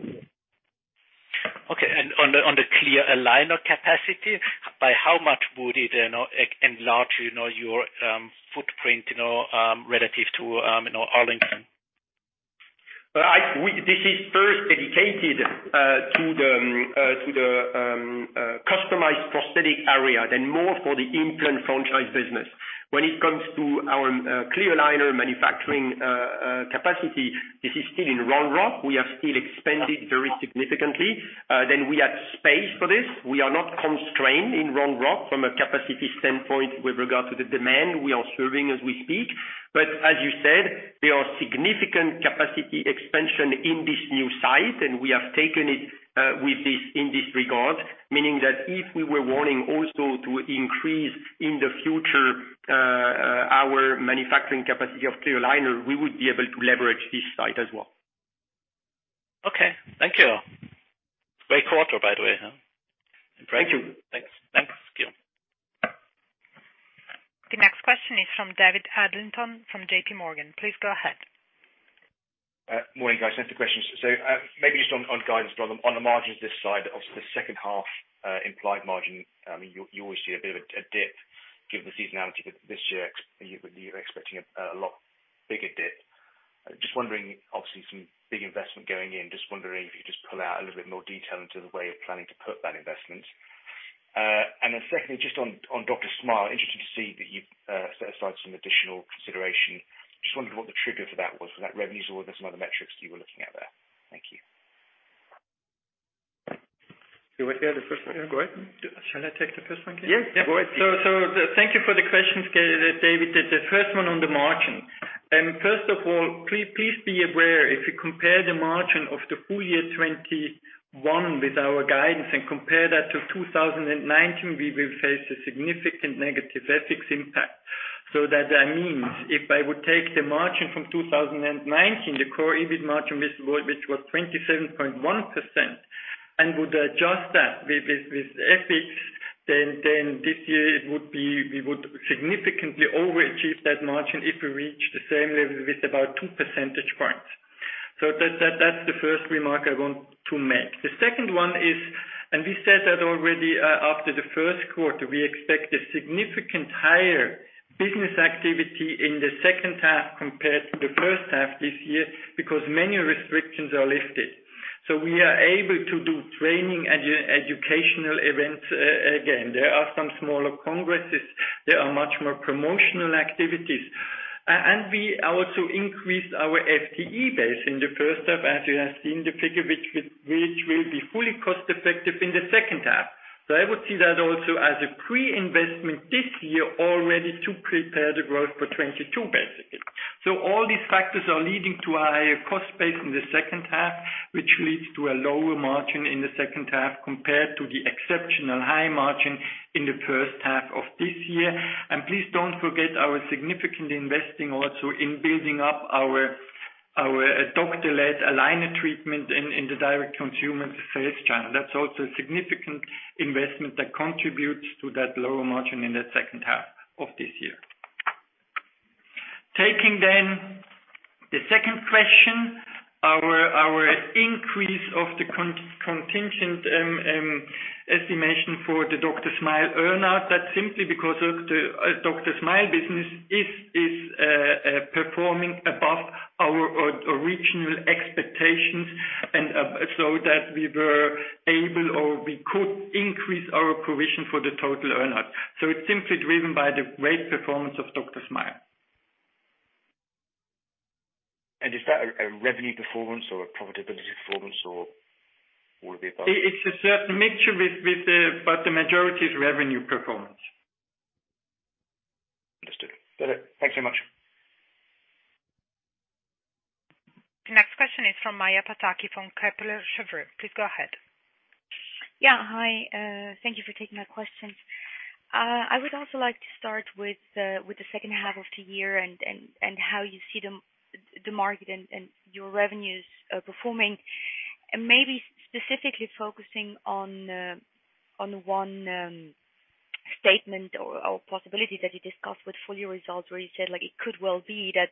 Okay. On the clear aligner capacity, by how much would it enlarge your footprint relative to Arlington?
This is first dedicated to the customized prosthetic area, then more for the implant franchise business. When it comes to our clear aligner manufacturing capacity, this is still in Round Rock. We have still expanded very significantly. We had space for this. We are not constrained in Round Rock from a capacity standpoint with regard to the demand we are serving as we speak. As you said, there are significant capacity expansion in this new site, and we have taken it with this in this regard, meaning that if we were wanting also to increase in the future our manufacturing capacity of clear aligner, we would be able to leverage this site as well.
Okay. Thank you. Great quarter, by the way.
Thank you.
Thanks, Guillaume.
The next question is from David Adlington from JP Morgan. Please go ahead.
Morning, guys. Next question. Maybe just on guidance, but on the margins this side, obviously, the second half implied margin, I mean, you always see a bit of a dip given the seasonality this year. You're expecting a lot bigger dip. Just wondering, obviously, some big investment going in. Just wondering if you could just pull out a little bit more detail into the way of planning to put that investment. And then secondly, just on Dr. Smile, interested to see that you've set aside some additional consideration. Just wondered what the trigger for that was, whether that revenues or there's some other metrics that you were looking at there. Thank you.
You want to hear the first one? Yeah, go ahead.
Shall I take the first one?
Yeah, go ahead.
Thank you for the questions, David. The first one on the margin. First of all, please be aware, if you compare the margin of the full year 2021 with our guidance and compare that to 2019, we will face a significant negative FX impact. That means if I would take the margin from 2019, the core EBIT margin, which was 27.1%, and would adjust that with FX, then this year we would significantly overachieve that margin if we reach the same level with about 2 percentage points. That is the first remark I want to make. The second one is, and we said that already after the first quarter, we expect a significant higher business activity in the second half compared to the first half this year because many restrictions are lifted. We are able to do training and educational events again. There are some smaller congresses. There are much more promotional activities. We also increased our FTE base in the first half, as you have seen the figure, which will be fully cost-effective in the second half. I would see that also as a pre-investment this year already to prepare the growth for 2022, basically. All these factors are leading to a higher cost base in the second half, which leads to a lower margin in the second half compared to the exceptionally high margin in the first half of this year. Please do not forget our significant investing also in building up our doctor-led aligner treatment in the direct-to-consumer sales channel. That is also a significant investment that contributes to that lower margin in the second half of this year. Taking then the second question, our increase of the contingent estimation for the Dr. Smile earn-out, that is simply because Dr.Smile business is performing above our original expectations and that we were able or we could increase our provision for the total earn-out. It is simply driven by the great performance of Dr. Smile.
Is that a revenue performance or a profitability performance or all of the above?
It is a certain mixture, but the majority is revenue performance.
Understood. Got it. Thanks very much.
The next question is from Maja Pataki from Kepler Cheuvreux. Please go ahead.
Yeah, hi. Thank you for taking my questions. I would also like to start with the second half of the year and how you see the market and your revenues performing. Maybe specifically focusing on one statement or possibility that you discussed with full year results where you said it could well be that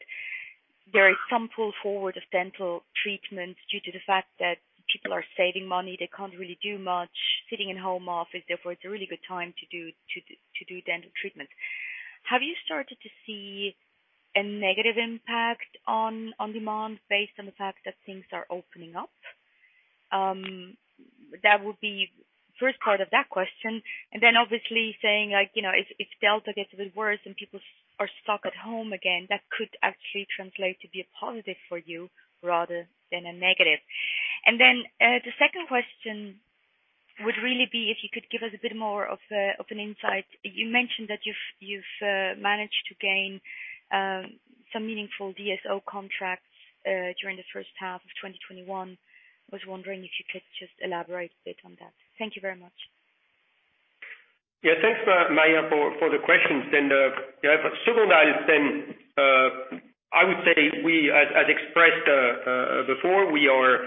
there is some pull forward of dental treatments due to the fact that people are saving money, they cannot really do much, sitting in home office, therefore it is a really good time to do dental treatments. Have you started to see a negative impact on demand based on the fact that things are opening up? That would be the first part of that question. Obviously saying if Delta gets a bit worse and people are stuck at home again, that could actually translate to be a positive for you rather than a negative. The second question would really be if you could give us a bit more of an insight. You mentioned that you've managed to gain some meaningful DSO contracts during the first half of 2021. I was wondering if you could just elaborate a bit on that. Thank you very much.
Yeah, thanks, Maja, for the questions. Second half, I would say as expressed before, we are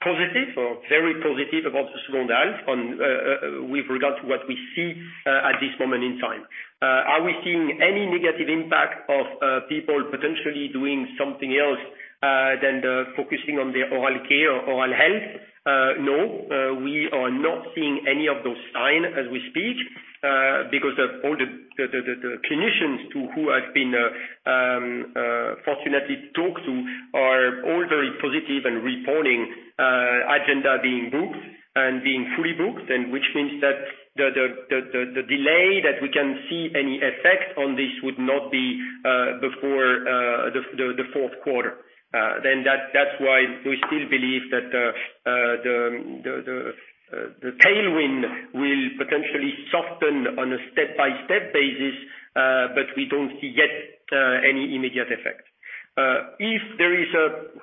positive or very positive about the second half with regard to what we see at this moment in time. Are we seeing any negative impact of people potentially doing something else than focusing on their oral care or oral health? No. We are not seeing any of those signs as we speak because all the clinicians who I've been fortunately talked to are all very positive and reporting agenda being booked and being fully booked, which means that the delay that we can see any effect on this would not be before the fourth quarter. That is why we still believe that the tailwind will potentially soften on a step-by-step basis, but we do not see yet any immediate effect. If there is a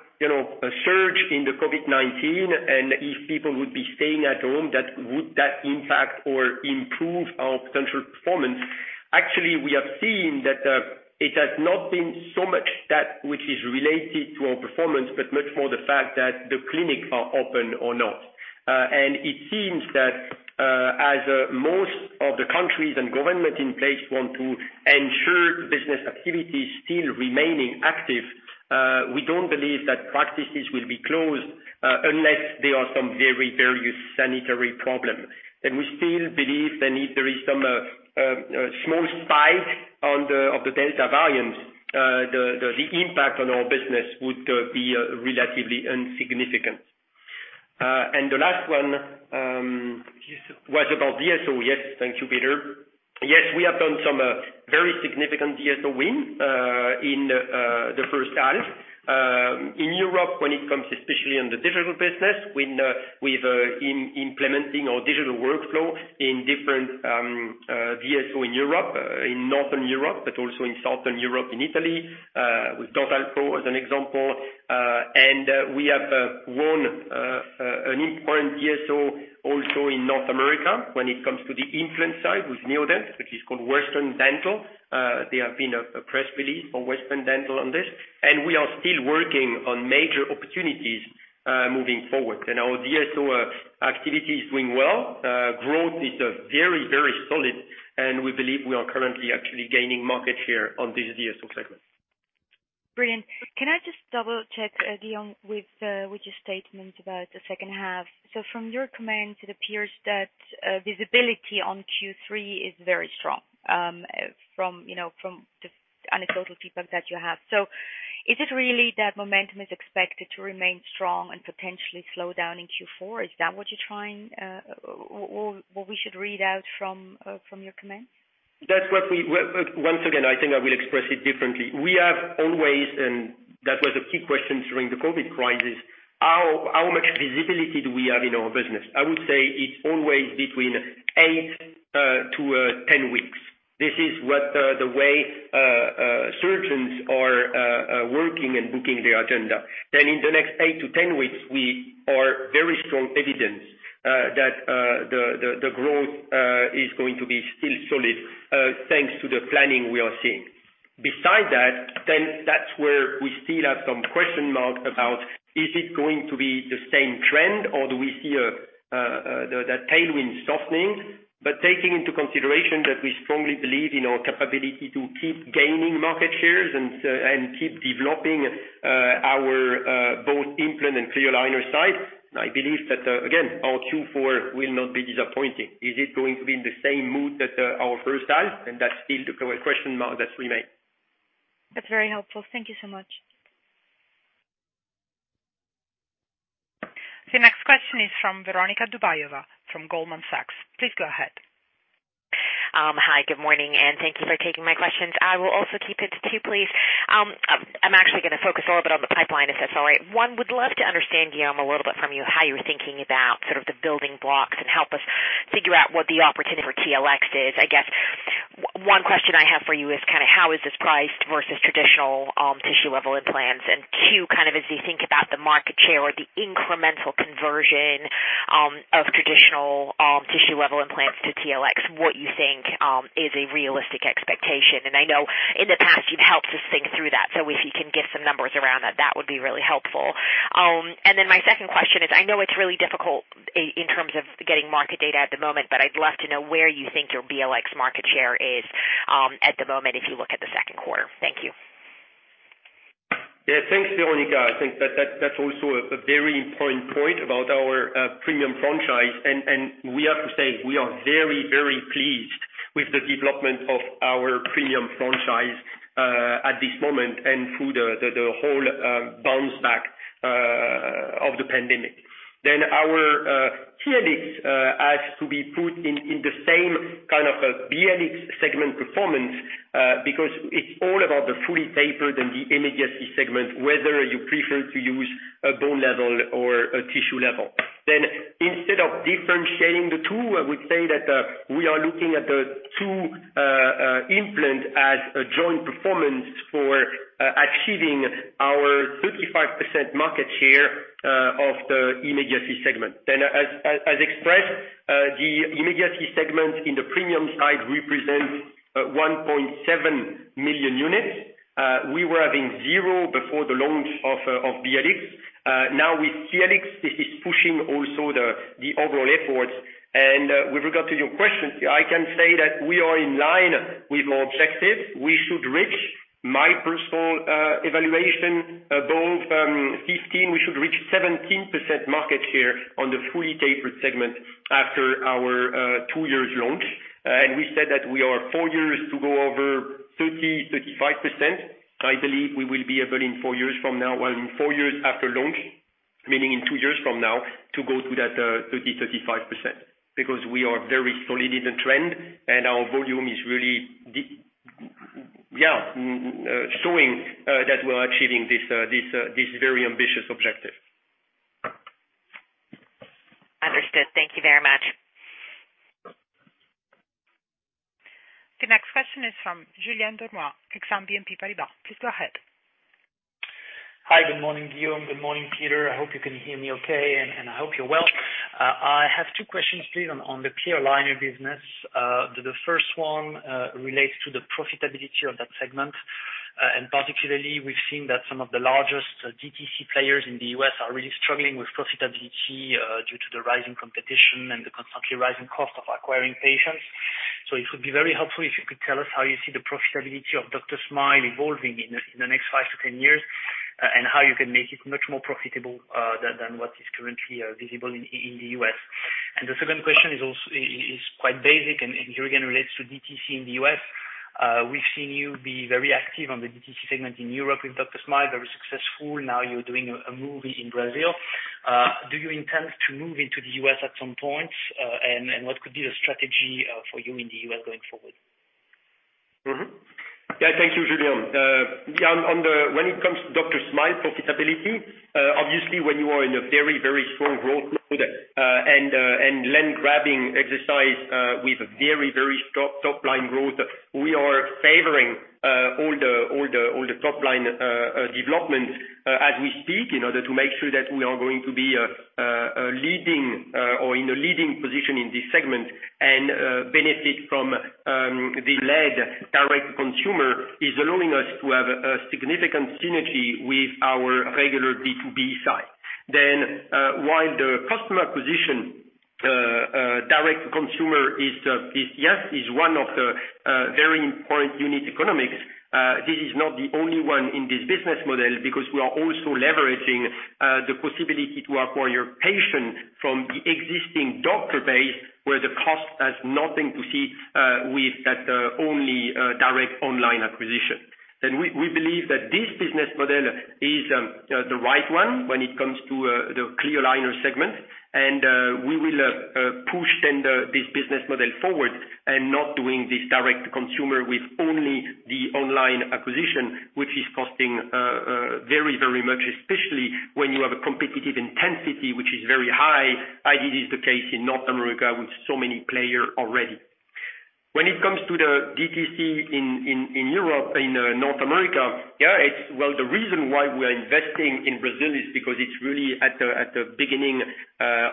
surge in the COVID-19 and if people would be staying at home, would that impact or improve our potential performance? Actually, we have seen that it has not been so much that which is related to our performance, but much more the fact that the clinics are open or not. It seems that as most of the countries and governments in place want to ensure business activity is still remaining active, we do not believe that practices will be closed unless there are some very various sanitary problems. We still believe that if there is some small spike of the Delta variant, the impact on our business would be relatively insignificant. The last one was about DSO. Yes, thank you, Peter. Yes, we have done some very significant DSO win in the first half. In Europe, when it comes especially on the digital business, we've been implementing our digital workflow in different DSO in Europe, in Northern Europe, but also in Southern Europe, in Italy, with Dental Pro as an example. We have won an important DSO also in North America when it comes to the implant side with Neodent, which is called Western Dental. There has been a press release for Western Dental on this. We are still working on major opportunities moving forward. Our DSO activity is doing well. Growth is very, very solid. We believe we are currently actually gaining market share on this DSO segment.
Brilliant. Can I just double-check, Guillaume, with your statement about the second half? From your comment, it appears that visibility on Q3 is very strong from the anecdotal feedback that you have. Is it really that momentum is expected to remain strong and potentially slow down in Q4? Is that what you're trying or we should read out from your comment?
That's what we once again, I think I will express it differently. We have always—and that was a key question during the COVID crisis—how much visibility do we have in our business? I would say it's always between 8 to 10 weeks. This is the way surgeons are working and booking their agenda. In the next 8 to 10 weeks, we have very strong evidence that the growth is going to be still solid thanks to the planning we are seeing. Beside that, that's where we still have some question marks about is it going to be the same trend or do we see that tailwind softening? Taking into consideration that we strongly believe in our capability to keep gaining market shares and keep developing our both implant and clear aligner side, I believe that, again, our Q4 will not be disappointing. Is it going to be in the same mood that our first half. That's still the question mark that's remaining.
That's very helpful. Thank you so much.
The next question is from Veronika Dubajova from Goldman Sachs. Please go ahead.
Hi, good morning. Thank you for taking my questions. I will also keep it to two please. I'm actually going to focus a little bit on the pipeline if that's all right. One, would love to understand, Guillaume, a little bit from you how you're thinking about sort of the building blocks and help us figure out what the opportunity for TLX is. I guess one question I have for you is kind of how is this priced versus traditional tissue-level implants? Two, kind of as you think about the market share or the incremental conversion of traditional tissue-level implants to TLX, what you think is a realistic expectation? I know in the past you've helped us think through that. If you can give some numbers around that, that would be really helpful. My second question is I know it's really difficult in terms of getting market data at the moment, but I'd love to know where you think your BLX market share is at the moment if you look at the second quarter. Thank you.
Yeah, thanks, Veronika. I think that's also a very important point about our premium franchise. We have to say we are very, very pleased with the development of our premium franchise at this moment and through the whole bounce back of the pandemic. Our TLX has to be put in the same kind of BLX segment performance because it's all about the fully tapered and the immediate segment, whether you prefer to use a bone level or a tissue level. Instead of differentiating the two, I would say that we are looking at the two implants as a joint performance for achieving our 35% market share of the immediate segment. As expressed, the immediate segment in the premium side represents 1.7 million units. We were having zero before the launch of BLX. Now with TLX, this is pushing also the overall efforts. With regard to your question, I can say that we are in line with our objective. We should reach, my personal evaluation, above 15. We should reach 17% market share on the fully tapered segment after our two-year launch. We said that we are four years to go over 30-35%. I believe we will be able in four years from now, in four years after launch, meaning in two years from now, to go to that 30-35% because we are very solid in the trend and our volume is really, yeah, showing that we're achieving this very ambitious objective.
Understood. Thank you very much.
The next question is from Julien Denoir, Aix-en-Villaine, Pays-Pari-Bas. Please go ahead.
Hi, good morning, Guillaume. Good morning, Peter. I hope you can hear me okay. I hope you're well. I have two questions, please, on the clear aligner business. The first one relates to the profitability of that segment. Particularly, we've seen that some of the largest DTC players in the U.S. are really struggling with profitability due to the rising competition and the constantly rising cost of acquiring patients. It would be very helpful if you could tell us how you see the profitability of Dr. Smile evolving in the next five to 10 years and how you can make it much more profitable than what is currently visible in the U.S.. The second question is quite basic and here again relates to DTC in the U.S.. We've seen you be very active on the DTC segment in Europe with Dr. Smile, very successful. Now you're doing a move in Brazil. Do you intend to move into the U.S. at some point? What could be the strategy for you in the U.S. going forward?
Yeah, thank you, Julienne. When it comes to Dr. Smile profitability, obviously when you are in a very, very strong growth and land-grabbing exercise with very, very top-line growth, we are favoring all the top-line developments as we speak in order to make sure that we are going to be leading or in a leading position in this segment and benefit from the lead direct-to-consumer is allowing us to have a significant synergy with our regular B2B side. While the customer position, direct-to-consumer, yes, is one of the very important unit economics, this is not the only one in this business model because we are also leveraging the possibility to acquire patients from the existing doctor base where the cost has nothing to see with that only direct online acquisition. We believe that this business model is the right one when it comes to the clear aligner segment. We will push this business model forward and not do this direct-to-consumer with only the online acquisition, which is costing very, very much, especially when you have a competitive intensity which is very high, as it is the case in North America with so many players already. When it comes to the DTC in Europe, in North America, the reason why we are investing in Brazil is because it is really at the beginning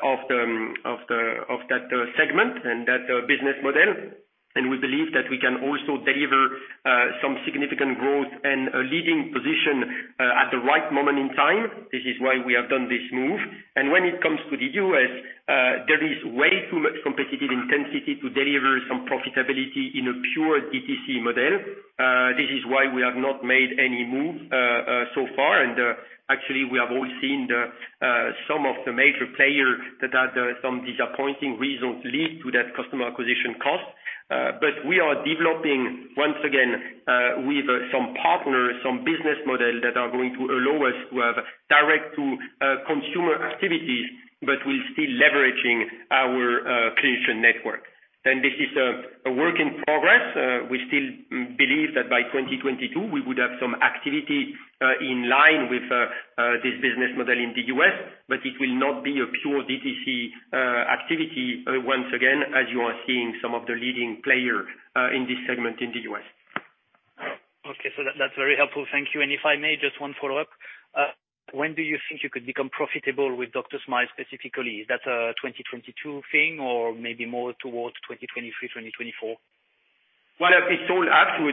of that segment and that business model. We believe that we can also deliver some significant growth and a leading position at the right moment in time. This is why we have done this move. When it comes to the U.S., there is way too much competitive intensity to deliver some profitability in a pure DTC model. This is why we have not made any move so far. Actually, we have all seen some of the major players that had some disappointing reasons lead to that customer acquisition cost. We are developing, once again, with some partners, some business model that are going to allow us to have direct-to-consumer activities, but we're still leveraging our clinician network. This is a work in progress. We still believe that by 2022, we would have some activity in line with this business model in the U.S., but it will not be a pure DTC activity once again, as you are seeing some of the leading players in this segment in the U.S..
Okay. That's very helpful. Thank you. If I may, just one follow-up. When do you think you could become profitable with Dr. Smile specifically? Is that a 2022 thing or maybe more towards 2023, 2024?
It is all up to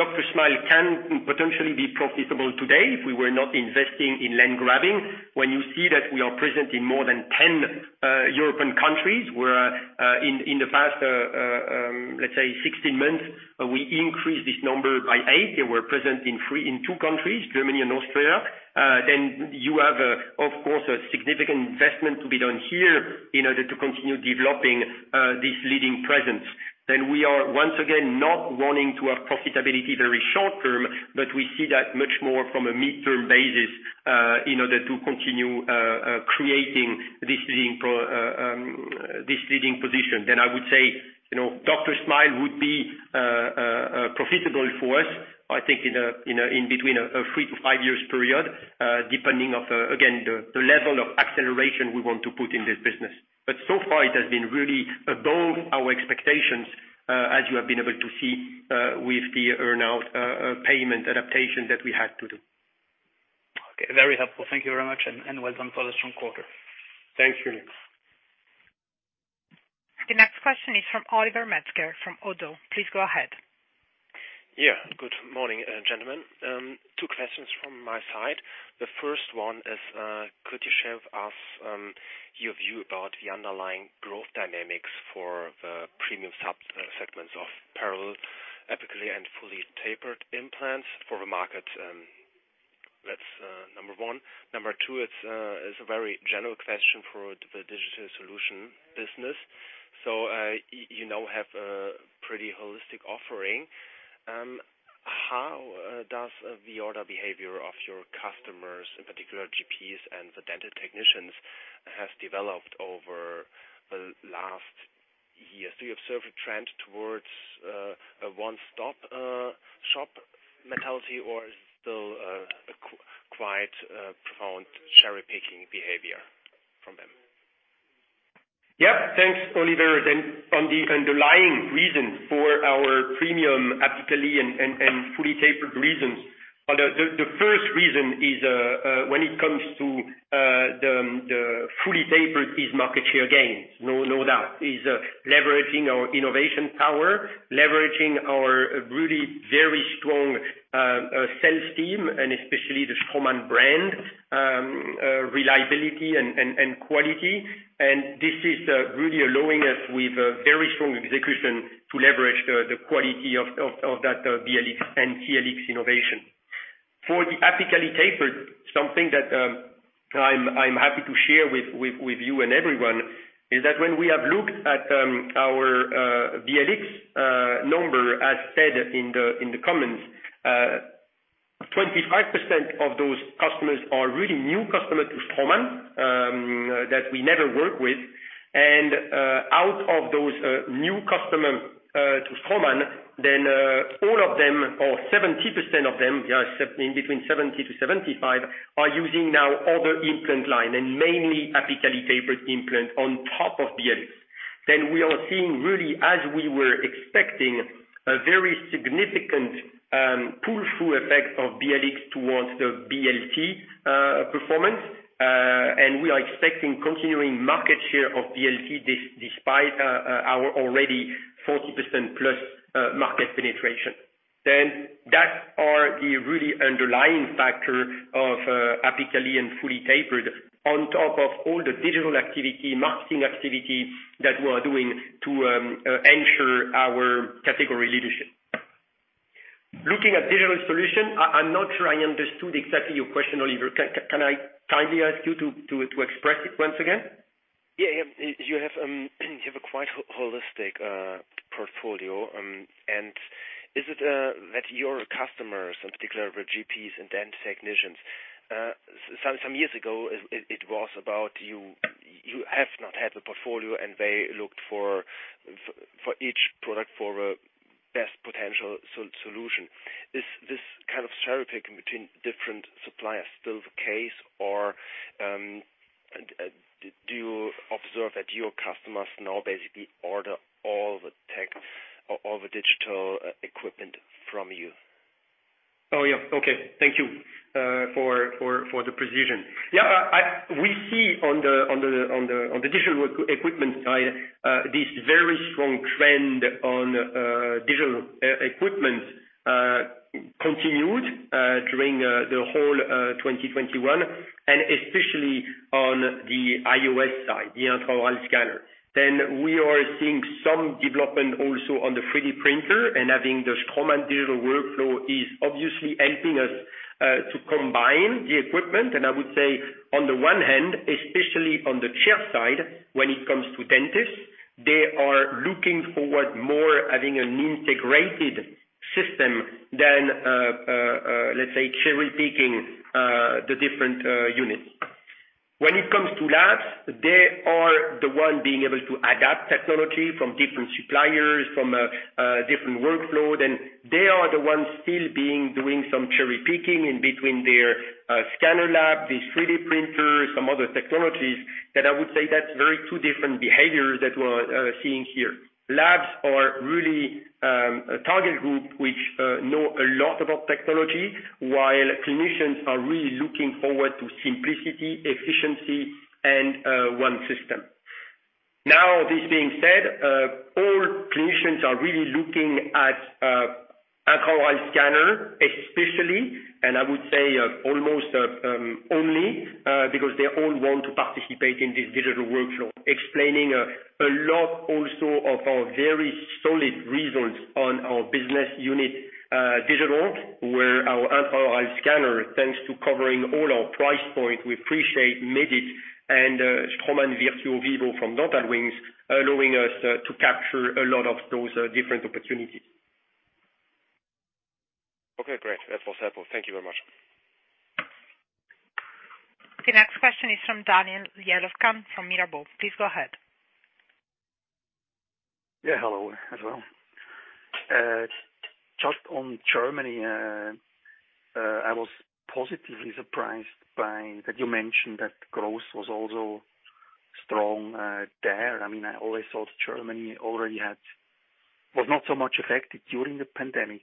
Dr. Smile can potentially be profitable today if we were not investing in land-grabbing. You see that we are present in more than 10 European countries where in the past, let's say, 16 months, we increased this number by eight. They were present in two countries, Germany and Austria. You have, of course, a significant investment to be done here in order to continue developing this leading presence. We are, once again, not wanting to have profitability very short term, but we see that much more from a midterm basis in order to continue creating this leading position. I would say Dr.Smile would be profitable for us, I think, in between a three- to five-year period, depending on, again, the level of acceleration we want to put in this business. It has been really above our expectations, as you have been able to see with the earn-out payment adaptation that we had to do.
Okay. Very helpful. Thank you very much. And well done for the strong quarter.
Thank you.
The next question is from Oliver Metzger from Oddo. Please go ahead.
Yeah. Good morning, gentlemen. Two questions from my side. The first one is, could you share with us your view about the underlying growth dynamics for the premium sub-segments of parallel, epically, and fully tapered implants for the market? That's number one. Number two, it's a very general question for the digital solution business. You now have a pretty holistic offering. How does the order behavior of your customers, in particular GPs and the dental technicians, have developed over the last years? Do you observe a trend towards a one-stop-shop mentality, or is it still quite profound cherry-picking behavior from them?
Yep. Thanks, Oliver. On the underlying reasons for our premium, epically and fully tapered reasons, the first reason is when it comes to the fully tapered is market share gains, no doubt. It is leveraging our innovation power, leveraging our really very strong sales team, and especially the Straumann brand, reliability, and quality. This is really allowing us with very strong execution to leverage the quality of that BLX and TLX innovation. For the internally tapered, something that I'm happy to share with you and everyone is that when we have looked at our BLX number, as said in the comments, 25% of those customers are really new customers to Straumann that we never worked with. And out of those new customers to Straumann, then all of them, or 70% of them, in between 70-75, are using now other implant lines and mainly internally tapered implants on top of BLX. We are seeing, really, as we were expecting, a very significant pull-through effect of BLX towards the BLT performance. We are expecting continuing market share of BLT despite our already 40% plus market penetration. That are the really underlying factors of epically and fully tapered on top of all the digital activity, marketing activity that we are doing to ensure our category leadership. Looking at digital solution, I'm not sure I understood exactly your question, Oliver. Can I kindly ask you to express it once again?
Yeah. You have a quite holistic portfolio. And is it that your customers, in particular, were GPs and dental technicians. Some years ago, it was about you have not had a portfolio, and they looked for each product for a best potential solution. Is this kind of cherry-picking between different suppliers still the case, or do you observe that your customers now basically order all the tech or all the digital equipment from you?
Oh, yeah. Okay. Thank you for the precision. Yeah. We see on the digital equipment side, this very strong trend on digital equipment continued during the whole 2021, and especially on the iOS side, the intraoral scanner. We are seeing some development also on the 3D printer, and having the Straumann digital workflow is obviously helping us to combine the equipment. I would say, on the one hand, especially on the chair side, when it comes to dentists, they are looking forward more to having an integrated system than, let's say, cherry-picking the different units. When it comes to labs, they are the ones being able to adapt technology from different suppliers, from different workflows. They are the ones still doing some cherry-picking in between their scanner lab, the 3D printer, some other technologies. I would say that's two very different behaviors that we are seeing here. Labs are really a target group which know a lot about technology, while clinicians are really looking forward to simplicity, efficiency, and one system. Now, this being said, all clinicians are really looking at intraoral scanner, especially, and I would say almost only because they all want to participate in this digital workflow, explaining a lot also of our very solid results on our business unit digital, where our intraoral scanner, thanks to covering all our price points, we appreciate Medit and Straumann Virtuo Vivo from Dental Wings, allowing us to capture a lot of those different opportunities.
Okay. Great. That was helpful. Thank you very much.
The next question is from Daniel Jelovcan from Mirabaud. Please go ahead.
Yeah. Hello as well. Just on Germany, I was positively surprised that you mentioned that growth was also strong there. I mean, I always thought Germany already had was not so much affected during the pandemic.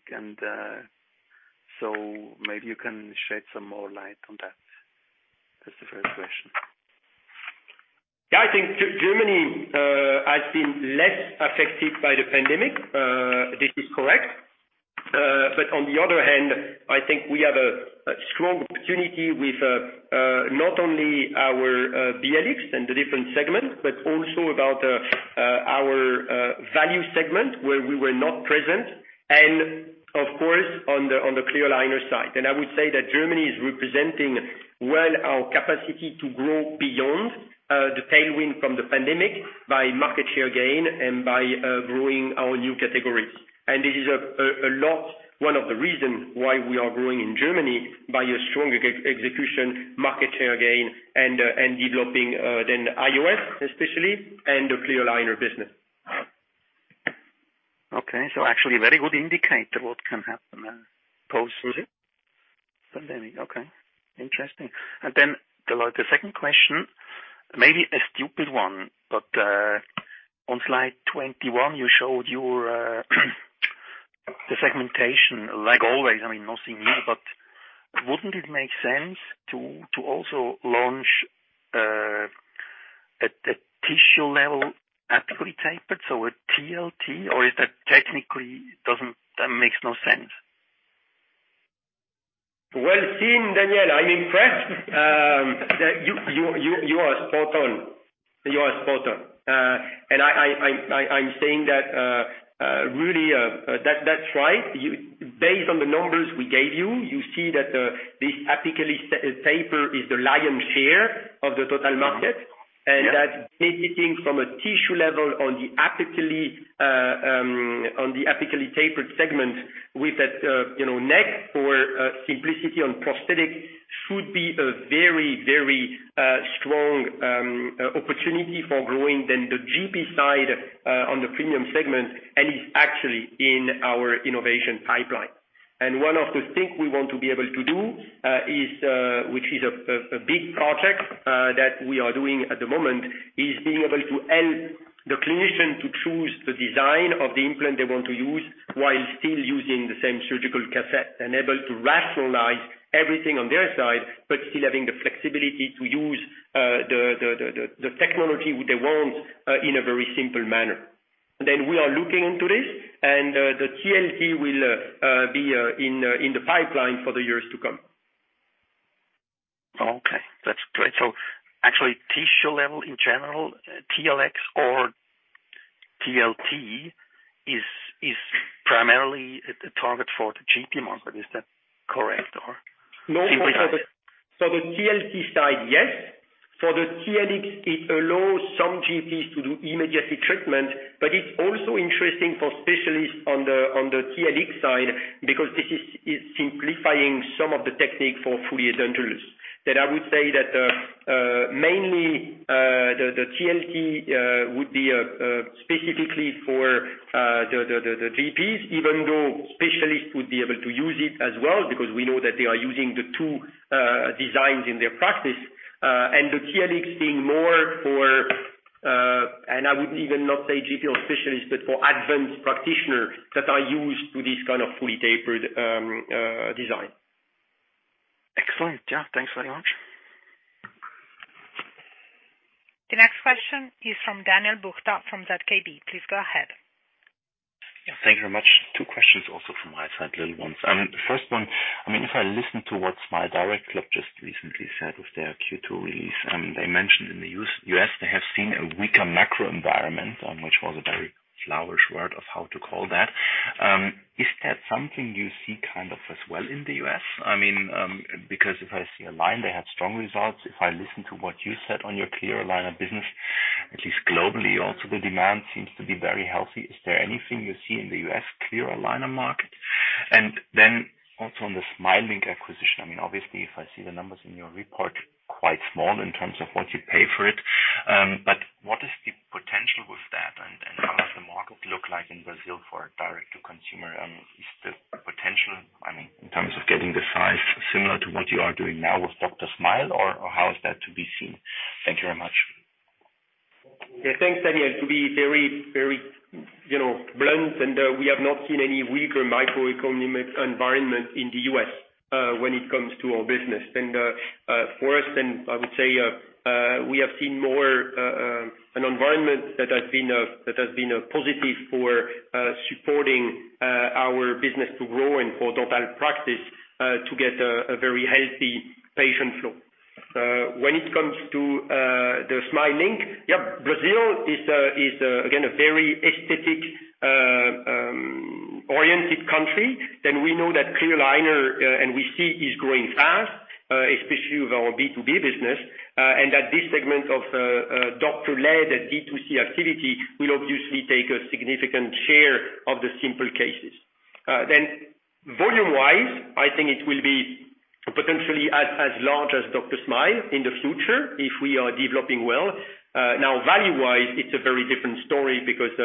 And so maybe you can shed some more light on that. That's the first question.
Yeah. I think Germany has been less affected by the pandemic. This is correct. On the other hand, I think we have a strong opportunity with not only our BLX and the different segments, but also about our value segment where we were not present, and of course, on the clear aligner side. I would say that Germany is representing well our capacity to grow beyond the tailwind from the pandemic by market share gain and by growing our new categories. This is a lot one of the reasons why we are growing in Germany by a strong execution, market share gain, and developing then iOS especially, and the clear aligner business.
Okay. Actually, very good indicator what can happen post-pandemic. Okay. Interesting. The second question, maybe a stupid one, but on slide 21, you showed your segmentation like always. I mean, not seeing you, but wouldn't it make sense to also launch a tissue-level internally tapered? So a TLT, or is that technically doesn't that makes no sense?
I mean, seeing, Daniel, I'm impressed. You are spot on. You are spot on. I'm saying that really, that's right. Based on the numbers we gave you, you see that this internally tapered is the lion's share of the total market. That's benefiting from a tissue level on the internally tapered segment with that neck for simplicity on prosthetics should be a very, very strong opportunity for growing then the GP side on the premium segment, and it's actually in our innovation pipeline. One of the things we want to be able to do, which is a big project that we are doing at the moment, is being able to help the clinician to choose the design of the implant they want to use while still using the same surgical cassette and able to rationalize everything on their side, but still having the flexibility to use the technology they want in a very simple manner. We are looking into this, and the TLT will be in the pipeline for the years to come.
Okay. That's great. Actually, tissue level in general, TLX or TLT, is primarily a target for the GP market. Is that correct, or simply?
The TLT side, yes. For the TLX, it allows some GPs to do immediate treatment, but it's also interesting for specialists on the TLX side because this is simplifying some of the techniques for fully edentulous. I would say that mainly the TLT would be specifically for the GPs, even though specialists would be able to use it as well because we know that they are using the two designs in their practice. The TLX being more for, and I would even not say GP or specialist, but for advanced practitioners that are used to this kind of fully tapered design.
Excellent. Yeah. Thanks very much.
The next question is from Daniel Buchta from ZKB. Please go ahead.
Yeah.Thank you very much. Two questions also from my side, little ones. First one, I mean, if I listen to what SmileDirectClub just recently said with their Q2 release, they mentioned in the U.S. they have seen a weaker macro environment, which was a very flowerish word of how to call that. Is that something you see kind of as well in the U.S.? I mean, because if I see Align, they had strong results. If I listen to what you said on your clear aligner business, at least globally, also the demand seems to be very healthy. Is there anything you see in the U.S. clear aligner market? Also on the Smiling acquisition, I mean, obviously, if I see the numbers in your report, quite small in terms of what you pay for it. What is the potential with that, and how does the market look like in Brazil for direct-to-consumer? Is the potential, I mean, in terms of getting the size similar to what you are doing now with Dr. Smile, or how is that to be seen? Thank you very much.
Yeah. Thanks, Daniel. To be very, very blunt, we have not seen any weaker microeconomic environment in the U.S. when it comes to our business. For us, I would say we have seen more an environment that has been positive for supporting our business to grow and for dental practice to get a very healthy patient flow. When it comes to the SmileLink, Brazil is, again, a very aesthetic-oriented country. We know that clear aligner, and we see, is growing fast, especially with our B2B business, and that this segment of doctor-led D2C activity will obviously take a significant share of the simple cases. Volume-wise, I think it will be potentially as large as Dr. Smile in the future if we are developing well. Now, value-wise, it's a very different story because,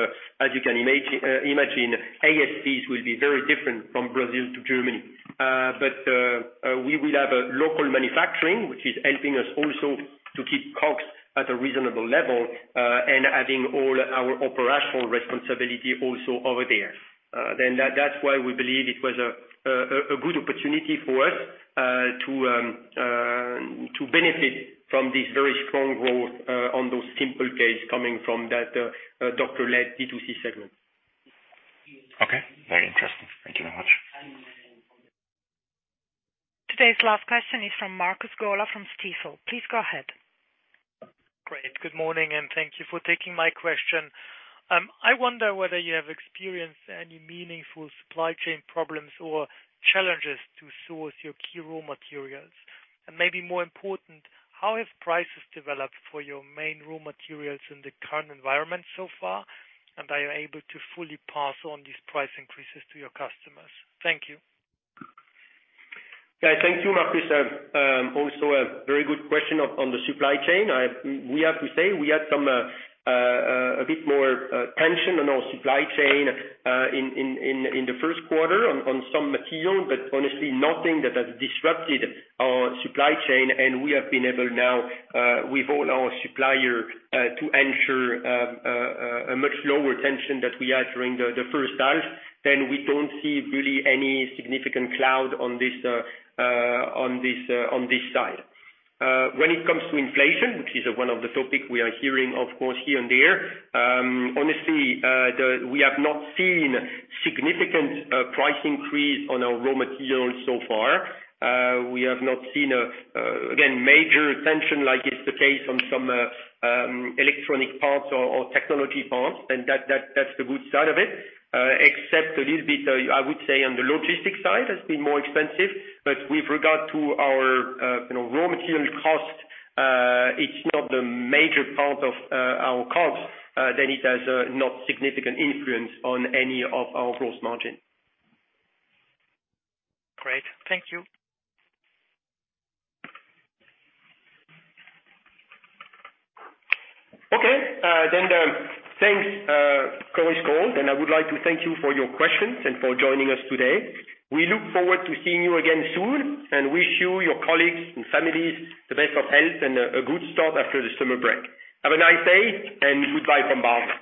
as you can imagine, ASPs will be very different from Brazil to Germany. We will have local manufacturing, which is helping us also to keep costs at a reasonable level and having all our operational responsibility also over there. That is why we believe it was a good opportunity for us to benefit from this very strong growth on those simple cases coming from that doctor-led D2C segment.
Okay. Very interesting. Thank you very much.
Today's last question is from Marcus Gola from Stifel. Please go ahead.
Great. Good morning, and thank you for taking my question. I wonder whether you have experienced any meaningful supply chain problems or challenges to source your key raw materials. Maybe more important, how have prices developed for your main raw materials in the current environment so far, and are you able to fully pass on these price increases to your customers? Thank you.
Yeah. Thank you, Marcus. Also a very good question on the supply chain. We have to say we had a bit more tension on our supply chain in the first quarter on some material, but honestly, nothing that has disrupted our supply chain. We have been able now, with all our suppliers, to ensure a much lower tension than we had during the first half. We do not see really any significant cloud on this side. When it comes to inflation, which is one of the topics we are hearing, of course, here and there, honestly, we have not seen significant price increase on our raw materials so far. We have not seen, again, major tension like it's the case on some electronic parts or technology parts. That is the good side of it, except a little bit, I would say, on the logistics side has been more expensive. With regard to our raw material cost, it's not the major part of our cost. It has not significant influence on any of our gross margin.
Great. Thank you.
Okay. Thank you, Chris Cole. I would like to thank you for your questions and for joining us today. We look forward to seeing you again soon and wish you, your colleagues, and families the best of health and a good start after the summer break. Have a nice day and goodbye from Basel.